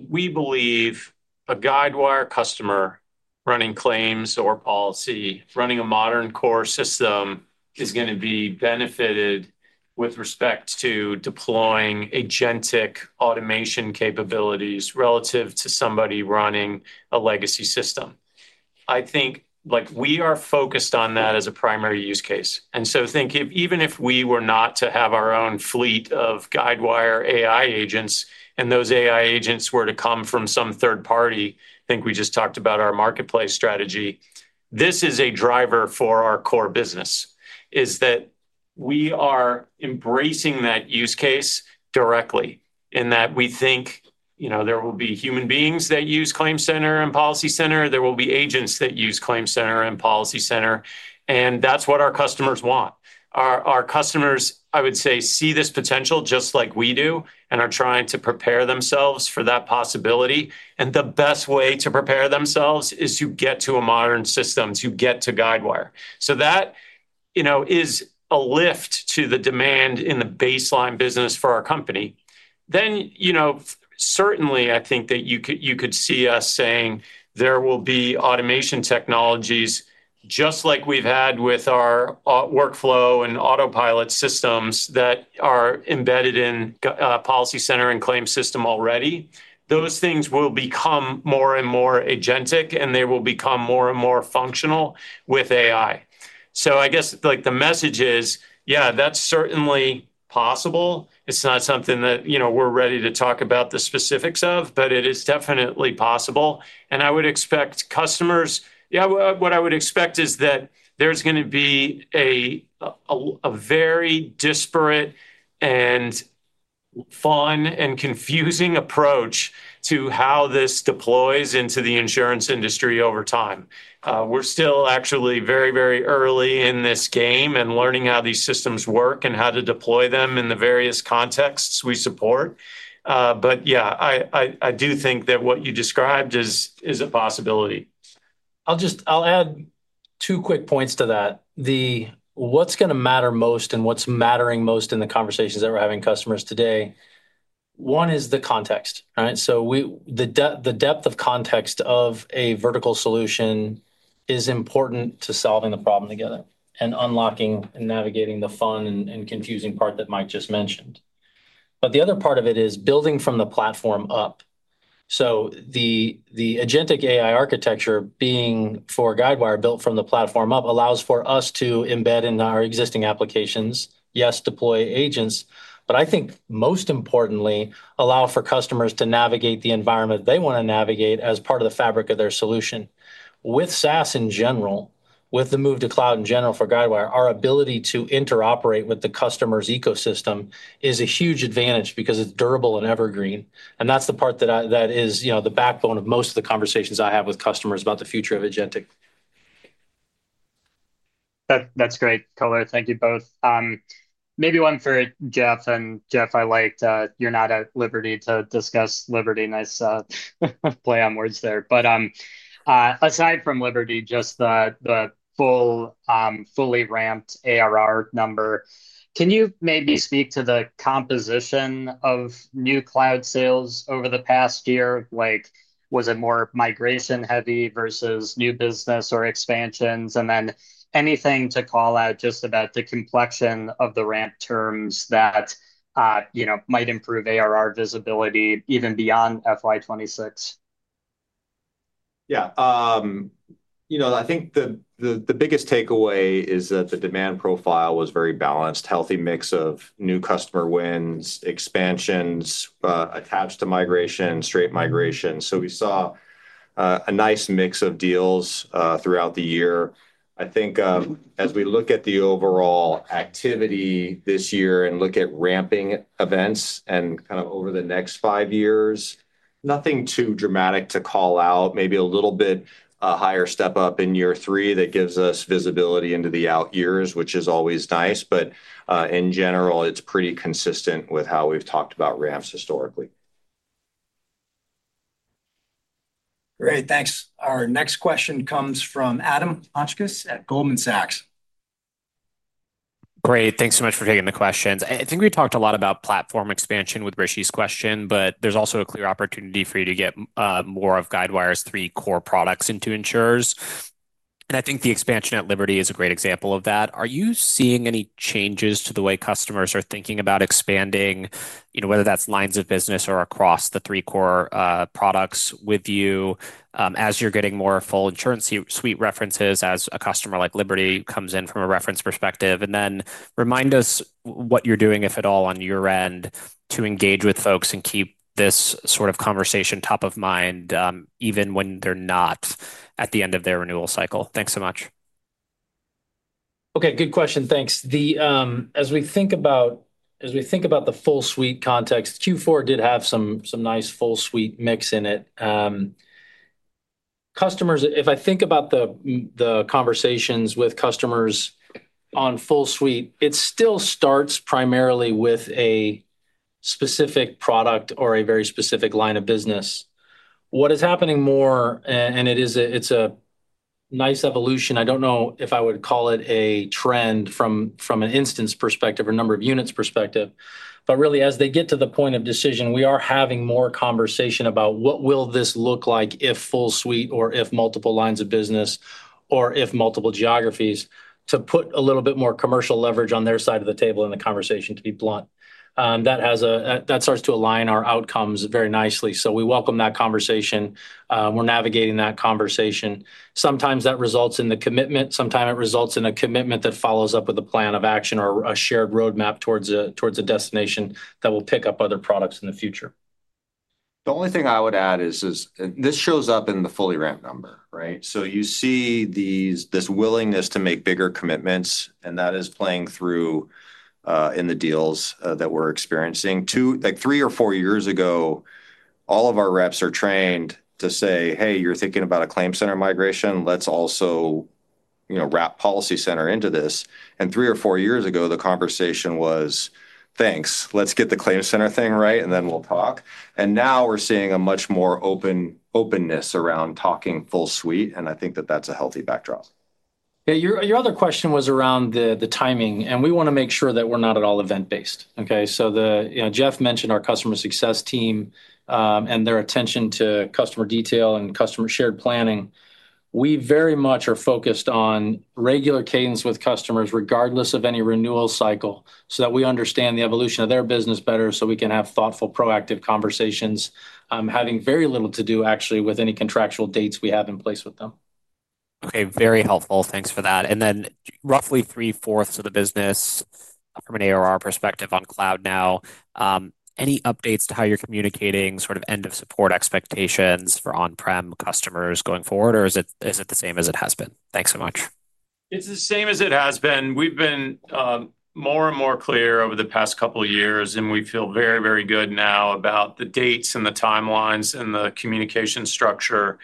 we believe a Guidewire customer running claims or policy, running a modern core system, is going to be benefited with respect to deploying agentic automation capabilities relative to somebody running a legacy system. We are focused on that as a primary use case. Even if we were not to have our own fleet of Guidewire AI agents and those AI agents were to come from some third party, we just talked about our marketplace strategy. This is a driver for our core business in that we are embracing that use case directly in that we think there will be human beings that use ClaimCenter and PolicyCenter. There will be agents that use ClaimCenter and PolicyCenter, and that's what our customers want. Our customers, I would say, see this potential just like we do and are trying to prepare themselves for that possibility. The best way to prepare themselves is to get to a modern system, to get to Guidewire. That is a lift to the demand in the baseline business for our company. Certainly, I think that you could see us saying there will be automation technologies just like we've had with our workflow and autopilot systems that are embedded in PolicyCenter and ClaimCenter already. Those things will become more and more agentic, and they will become more and more functional with AI. The message is, yeah, that's certainly possible. It's not something that we're ready to talk about the specifics of, but it is definitely possible. I would expect customers, yeah, what I would expect is that there's going to be a very disparate and fun and confusing approach to how this deploys into the insurance industry over time. We are still actually very, very early in this game and learning how these systems work and how to deploy them in the various contexts we support. I do think that what you described is a possibility. I'll add two quick points to that. What's going to matter most and what's mattering most in the conversations that we're having with customers today, one is the context. The depth of context of a vertical solution is important to solving the problem together and unlocking and navigating the fun and confusing part that Mike just mentioned. The other part of it is building from the platform up. The agentic AI architecture being for Guidewire built from the platform up allows for us to embed in our existing applications, yes, deploy agents, but I think most importantly, allow for customers to navigate the environment they want to navigate as part of the fabric of their solution. With SaaS in general, with the move to cloud in general for Guidewire, our ability to interoperate with the customer's ecosystem is a huge advantage because it's durable and evergreen. That's the part that is the backbone of most of the conversations I have with customers about the future of agentic. That's great color. Thank you both. Maybe one for Jeff. Jeff, I like that you're not at Liberty to discuss Liberty. Nice play on words there. Aside from Liberty, just the fully ramped ARR number, can you maybe speak to the composition of new cloud sales over the past year? Was it more migration heavy versus new business or expansions? Is there anything to call out about the complexion of the ramp terms that might improve ARR visibility even beyond FY2026? Yeah, you know, I think the biggest takeaway is that the demand profile was very balanced, a healthy mix of new customer wins, expansions, attached to migration, straight migration. We saw a nice mix of deals throughout the year. I think as we look at the overall activity this year and look at ramping events and kind of over the next five years, nothing too dramatic to call out, maybe a little bit higher step up in year three that gives us visibility into the out years, which is always nice. In general, it's pretty consistent with how we've talked about ramps historically. Great, thanks. Our next question comes from Adam R. Hotchkiss at Goldman Sachs. Great, thanks so much for taking the questions. I think we talked a lot about platform expansion with Rishi's question, but there's also a clear opportunity for you to get more of Guidewire's three core products into insurers. I think the expansion at Liberty Mutual is a great example of that. Are you seeing any changes to the way customers are thinking about expanding, whether that's lines of business or across the three core products with you as you're getting more full InsuranceSuite references as a customer like Liberty Mutual comes in from a reference perspective? Remind us what you're doing, if at all, on your end to engage with folks and keep this sort of conversation top of mind even when they're not at the end of their renewal cycle. Thanks so much. Okay, good question. Thanks. As we think about the full suite context, Q4 did have some nice full suite mix in it. Customers, if I think about the conversations with customers on full suite, it still starts primarily with a specific product or a very specific line of business. What is happening more, and it's a nice evolution, I don't know if I would call it a trend from an instance perspective or number of units perspective, but really as they get to the point of decision, we are having more conversation about what will this look like if full suite or if multiple lines of business or if multiple geographies to put a little bit more commercial leverage on their side of the table in the conversation, to be blunt. That starts to align our outcomes very nicely. We welcome that conversation. We're navigating that conversation. Sometimes that results in the commitment. Sometimes it results in a commitment that follows up with a plan of action or a shared roadmap towards a destination that will pick up other products in the future. The only thing I would add is this shows up in the fully ramped number, right? You see this willingness to make bigger commitments, and that is playing through in the deals that we're experiencing. Three or four years ago, all of our reps are trained to say, "Hey, you're thinking about a ClaimCenter migration. Let's also, you know, wrap PolicyCenter into this." Three or four years ago, the conversation was, "Thanks. Let's get the ClaimCenter thing right, and then we'll talk." Now we're seeing a much more open openness around talking full suite, and I think that that's a healthy backdrop. Yeah, your other question was around the timing, and we want to make sure that we're not at all event-based. Jeff mentioned our customer success team and their attention to customer detail and customer shared planning. We very much are focused on regular cadence with customers regardless of any renewal cycle so that we understand the evolution of their business better, so we can have thoughtful, proactive conversations, having very little to do actually with any contractual dates we have in place with them. Okay, very helpful. Thanks for that. Roughly three-fourths of the business from an ARR perspective on cloud now. Any updates to how you're communicating sort of end-of-support expectations for on-prem customers going forward, or is it the same as it has been? Thanks so much. It's the same as it has been. We've been more and more clear over the past couple of years, and we feel very, very good now about the dates and the timelines and the communication structure.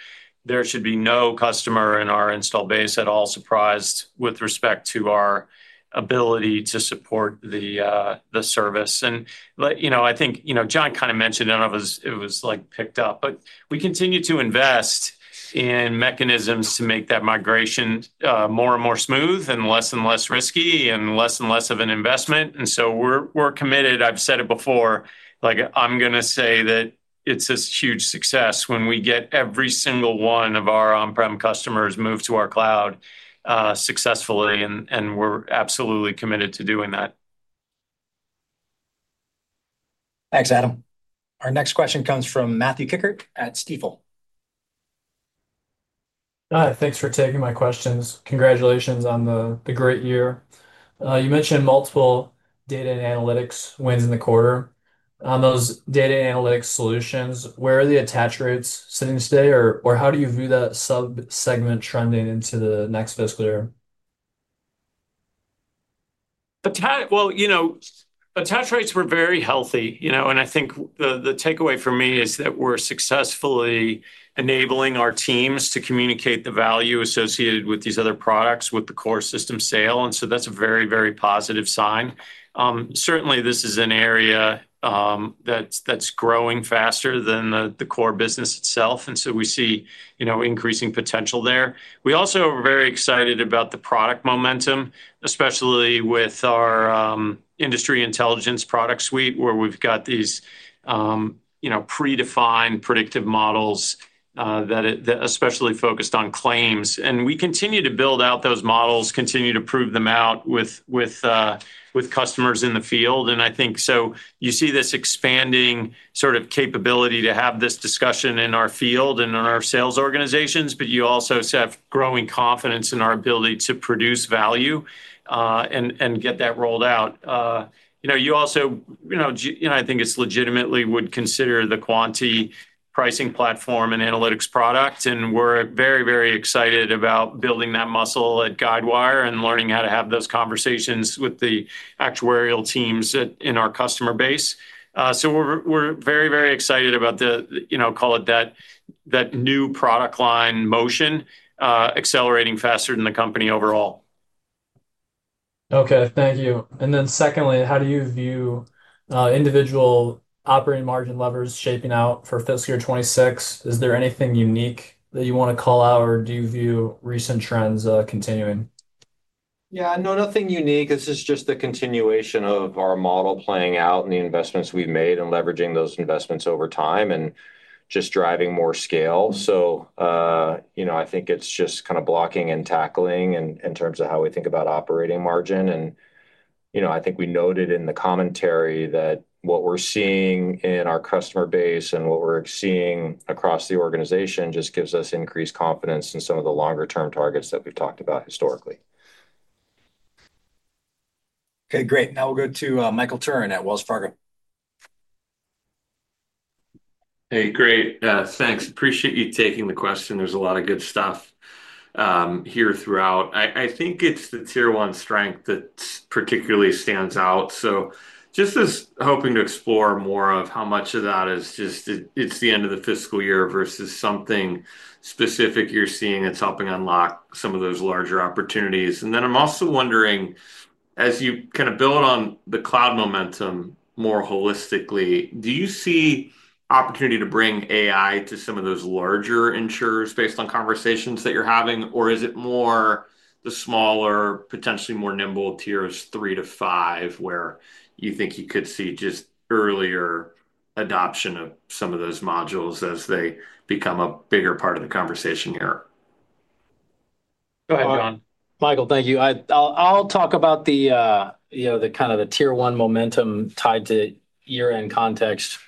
There should be no customer in our install base at all surprised with respect to our ability to support the service. I think John kind of mentioned it, and it was picked up, but we continue to invest in mechanisms to make that migration more and more smooth and less and less risky and less and less of an investment. We're committed, I've said it before, I'm going to say that it's a huge success when we get every single one of our on-prem customers moved to our cloud successfully, and we're absolutely committed to doing that. Thanks, Adam. Our next question comes from Matthew James Kikkert at Stifel. Hi, thanks for taking my questions. Congratulations on the great year. You mentioned multiple data and analytics wins in the quarter. On those data and analytics solutions, where are the attach rates sitting today, or how do you view that sub-segment trending into the next fiscal year? Attach rates were very healthy, and I think the takeaway for me is that we're successfully enabling our teams to communicate the value associated with these other products with the core system sale. That's a very, very positive sign. Certainly, this is an area that's growing faster than the core business itself, and we see increasing potential there. We also are very excited about the product momentum, especially with our Guidewire Industry Intelligence suite, where we've got these predefined predictive models that are especially focused on claims. We continue to build out those models and continue to prove them out with customers in the field. I think you see this expanding sort of capability to have this discussion in our field and in our sales organizations, but you also have growing confidence in our ability to produce value and get that rolled out. I think it legitimately would consider the Quanti pricing platform and analytics product, and we're very, very excited about building that muscle at Guidewire and learning how to have those conversations with the actuarial teams in our customer base. We're very, very excited about the, call it that new product line motion accelerating faster than the company overall. Okay, thank you. Secondly, how do you view individual operating margin levers shaping out for fiscal year 2026? Is there anything unique that you want to call out, or do you view recent trends continuing? Yeah, nothing unique. It's just the continuation of our model playing out and the investments we've made and leveraging those investments over time, just driving more scale. I think it's just kind of blocking and tackling in terms of how we think about operating margin. I think we noted in the commentary that what we're seeing in our customer base and what we're seeing across the organization just gives us increased confidence in some of the longer-term targets that we've talked about historically. Okay, great. Now we'll go to Michael Turin at Wells Fargo. Great, thanks. Appreciate you taking the question. There's a lot of good stuff here throughout. I think it's the tier one strength that particularly stands out. I was hoping to explore more of how much of that is just the end of the fiscal year versus something specific you're seeing that's helping unlock some of those larger opportunities. I'm also wondering, as you build on the cloud momentum more holistically, do you see opportunity to bring AI to some of those larger insurers based on conversations that you're having, or is it more the smaller, potentially more nimble tiers three to five, where you think you could see just earlier adoption of some of those modules as they become a bigger part of the conversation here? Michael, thank you. I'll talk about the, you know, the kind of the tier one momentum tied to year-end context.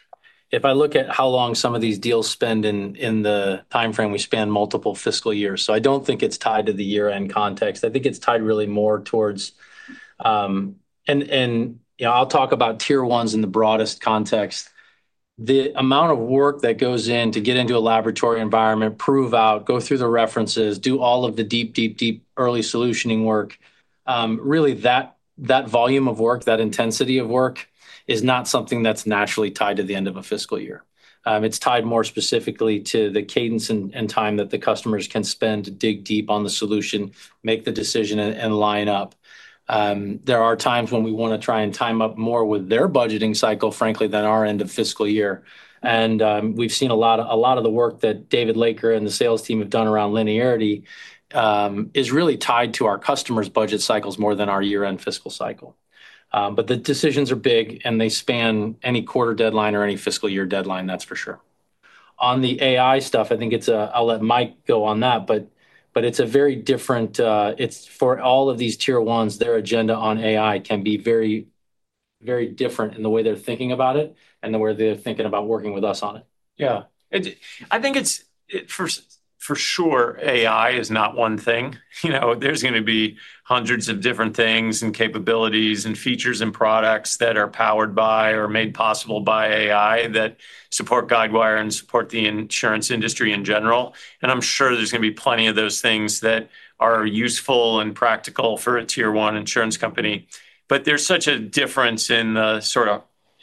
If I look at how long some of these deals spend in the timeframe, we spend multiple fiscal years. I don't think it's tied to the year-end context. I think it's tied really more towards, and I'll talk about tier ones in the broadest context. The amount of work that goes in to get into a laboratory environment, prove out, go through the references, do all of the deep, deep, deep early solutioning work, really that volume of work, that intensity of work is not something that's naturally tied to the end of a fiscal year. It's tied more specifically to the cadence and time that the customers can spend to dig deep on the solution, make the decision, and line up. There are times when we want to try and time up more with their budgeting cycle, frankly, than our end of fiscal year. We've seen a lot of the work that David Laker and the sales team have done around linearity is really tied to our customers' budget cycles more than our year-end fiscal cycle. The decisions are big, and they span any quarter deadline or any fiscal year deadline, that's for sure. On the AI stuff, I'll let Mike go on that, but it's a very different, it's for all of these tier ones, their agenda on AI can be very, very different in the way they're thinking about it and the way they're thinking about working with us on it. Yeah, I think it's for sure AI is not one thing. There's going to be hundreds of different things and capabilities and features and products that are powered by or made possible by AI that support Guidewire Software and support the insurance industry in general. I'm sure there's going to be plenty of those things that are useful and practical for a tier one insurance company. There's such a difference in the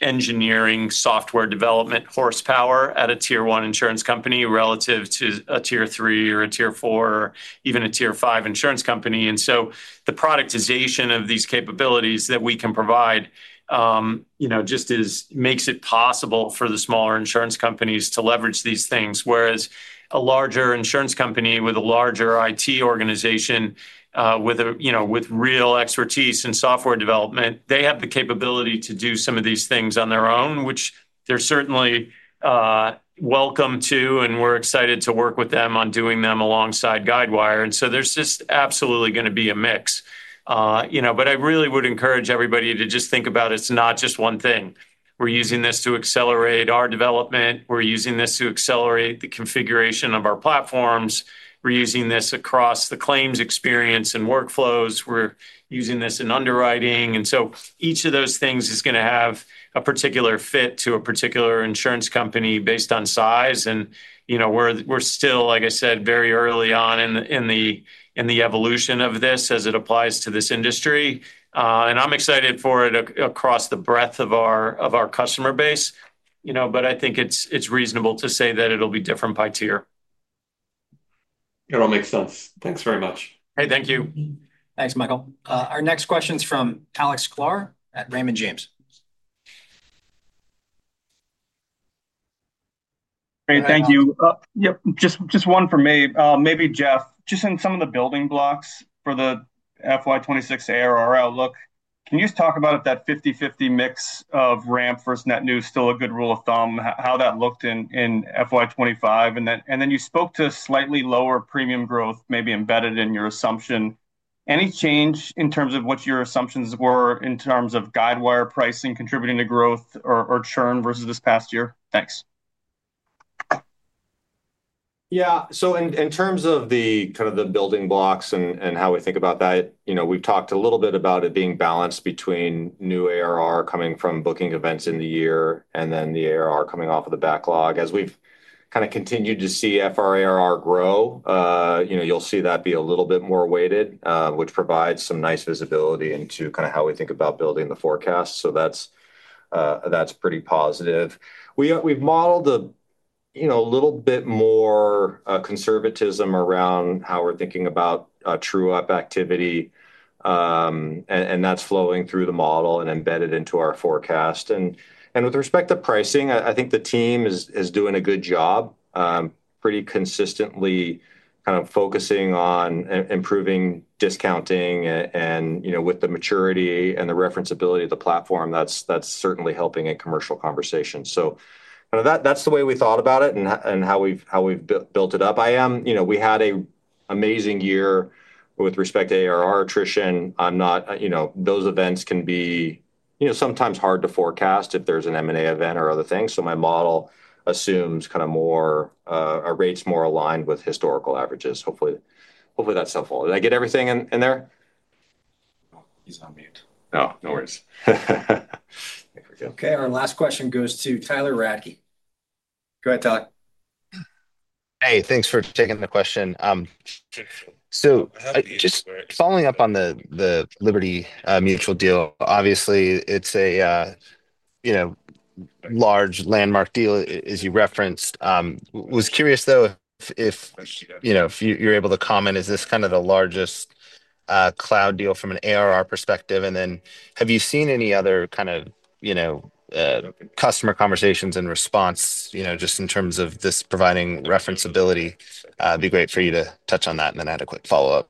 sort of engineering software development horsepower at a tier one insurance company relative to a tier three or a tier four, even a tier five insurance company. The productization of these capabilities that we can provide just makes it possible for the smaller insurance companies to leverage these things. Whereas a larger insurance company with a larger IT organization, with real expertise in software development, they have the capability to do some of these things on their own, which they're certainly welcome to, and we're excited to work with them on doing them alongside Guidewire Software. There's just absolutely going to be a mix. I really would encourage everybody to just think about it's not just one thing. We're using this to accelerate our development. We're using this to accelerate the configuration of our platforms. We're using this across the claims experience and workflows. We're using this in underwriting. Each of those things is going to have a particular fit to a particular insurance company based on size. We're still, like I said, very early on in the evolution of this as it applies to this industry. I'm excited for it across the breadth of our customer base. I think it's reasonable to say that it'll be different by tier. It all makes sense. Thanks very much. Hey, thank you. Thanks, Michael. Our next question is from Alex Hughes at Raymond James. Great, thank you. Yep, just one for me. Maybe Jeff, just in some of the building blocks for the FY2026 ARR outlook, can you just talk about if that 50-50 mix of ramp versus net new is still a good rule of thumb, how that looked in FY2025? You spoke to slightly lower premium growth maybe embedded in your assumption. Any change in terms of what your assumptions were in terms of Guidewire pricing contributing to growth or churn versus this past year? Thanks. Yeah, in terms of the kind of the building blocks and how we think about that, we've talked a little bit about it being balanced between new ARR coming from booking events in the year and then the ARR coming off of the backlog. As we've kind of continued to see ARR grow, you'll see that be a little bit more weighted, which provides some nice visibility into kind of how we think about building the forecast. That's pretty positive. We've modeled a little bit more conservatism around how we're thinking about true-up activity, and that's flowing through the model and embedded into our forecast. With respect to pricing, I think the team is doing a good job, pretty consistently kind of focusing on improving discounting, and with the maturity and the referenceability of the platform, that's certainly helping in commercial conversations. That's the way we thought about it and how we've built it up. We had an amazing year with respect to ARR attrition. Those events can be sometimes hard to forecast if there's an M&A event or other things. My model assumes more rates more aligned with historical averages. Hopefully that's helpful. Did I get everything in there? He's on mute. No worries. Okay, our last question goes to Tyler Maverick Radke. Go ahead, Tyler. Hey, thanks for taking the question. Just following up on the Liberty Mutual deal, obviously it's a large landmark deal, as you referenced. I was curious though if you're able to comment, is this kind of the largest cloud deal from an ARR perspective? Have you seen any other customer conversations and response, just in terms of this providing referenceability? It'd be great for you to touch on that in an adequate follow-up.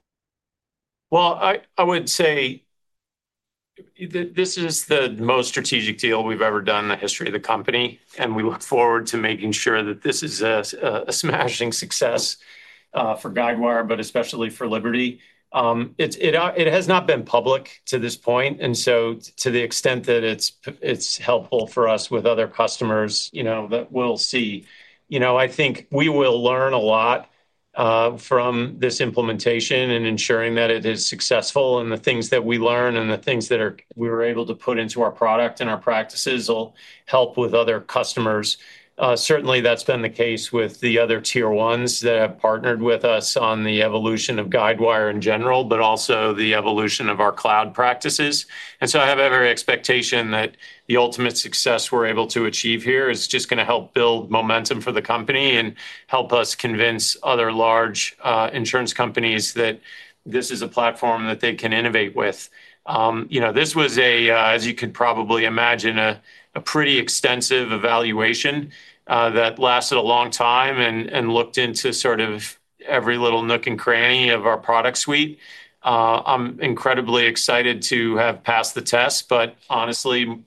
This is the most strategic deal we've ever done in the history of the company, and we look forward to making sure that this is a smashing success for Guidewire Software, but especially for Liberty Mutual. It has not been public to this point, and to the extent that it's helpful for us with other customers, we'll see. I think we will learn a lot from this implementation and ensuring that it is successful, and the things that we learn and the things that we were able to put into our product and our practices will help with other customers. Certainly, that's been the case with the other tier ones that have partnered with us on the evolution of Guidewire Software in general, but also the evolution of our cloud practices. I have every expectation that the ultimate success we're able to achieve here is just going to help build momentum for the company and help us convince other large insurance companies that this is a platform that they can innovate with. This was, as you could probably imagine, a pretty extensive evaluation that lasted a long time and looked into sort of every little nook and cranny of our product suite. I'm incredibly excited to have passed the test, but honestly,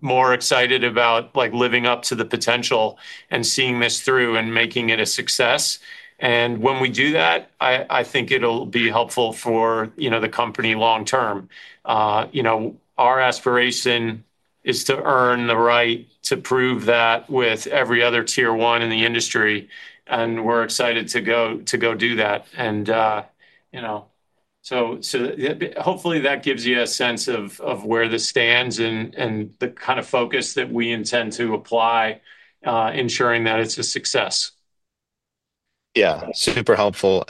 more excited about living up to the potential and seeing this through and making it a success. When we do that, I think it'll be helpful for the company long term. Our aspiration is to earn the right to prove that with every other tier one in the industry, and we're excited to go do that. Hopefully that gives you a sense of where this stands and the kind of focus that we intend to apply, ensuring that it's a success. Yeah, super helpful.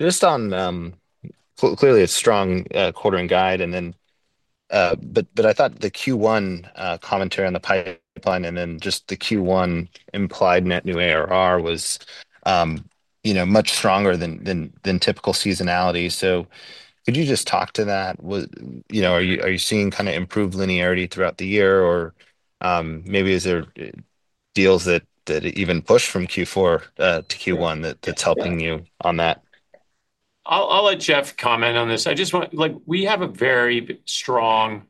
Just on clearly a strong quarter in guide, I thought the Q1 commentary on the pipeline and the Q1 implied net new ARR was much stronger than typical seasonality. Could you just talk to that? Are you seeing kind of improved linearity throughout the year, or maybe is there deals that even push from Q4- Q1 that's helping you on that? I'll let Jeff comment on this. We have a very strong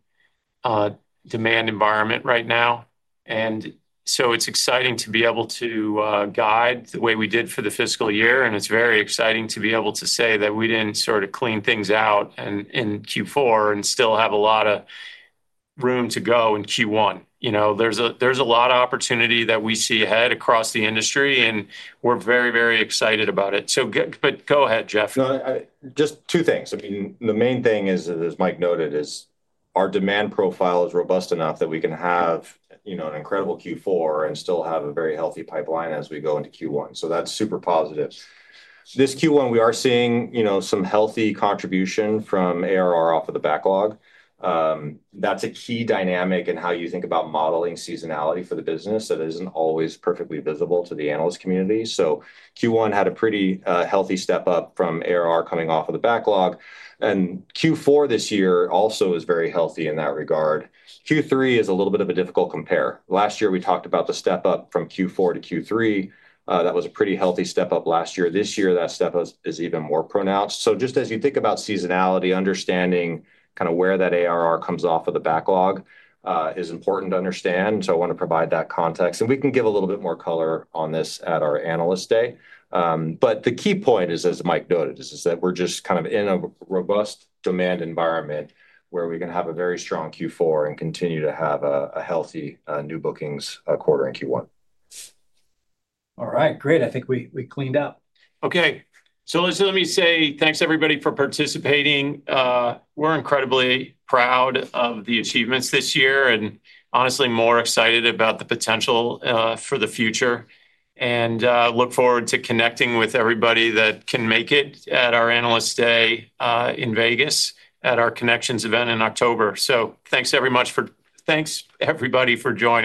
demand environment right now, and it's exciting to be able to guide the way we did for the fiscal year. It's very exciting to be able to say that we didn't sort of clean things out in Q4 and still have a lot of room to go in Q1. There's a lot of opportunity that we see ahead across the industry, and we're very, very excited about it. Go ahead, Jeff. Just two things. The main thing is, as Mike noted, our demand profile is robust enough that we can have an incredible Q4 and still have a very healthy pipeline as we go into Q1. That's super positive. This Q1, we are seeing some healthy contribution from ARR off of the backlog. That's a key dynamic in how you think about modeling seasonality for the business that isn't always perfectly visible to the analyst community. Q1 had a pretty healthy step up from ARR coming off of the backlog, and Q4 this year also. is very healthy in that regard. Q3 is a little bit of a difficult compare. Last year we talked about the step up from Q4 to Q3. That was a pretty healthy step up last year. This year, that step is even more pronounced. Just as you think about seasonality, understanding kind of where that ARR comes off of the backlog is important to understand. I want to provide that context. We can give a little bit more color on this at our analyst day. The key point is, as Mike noted, that we're just kind of in a robust demand environment where we're going to have a very strong Q4 and continue to have a healthy new bookings quarter in Q1. All right, great. I think we cleaned up. Okay, let me say thanks, everybody, for participating. We're incredibly proud of the achievements this year and honestly more excited about the potential for the future. I look forward to connecting with everybody that can make it at our analyst day in Las Vegas at our Connections User Conference in October. Thanks, everybody, for joining.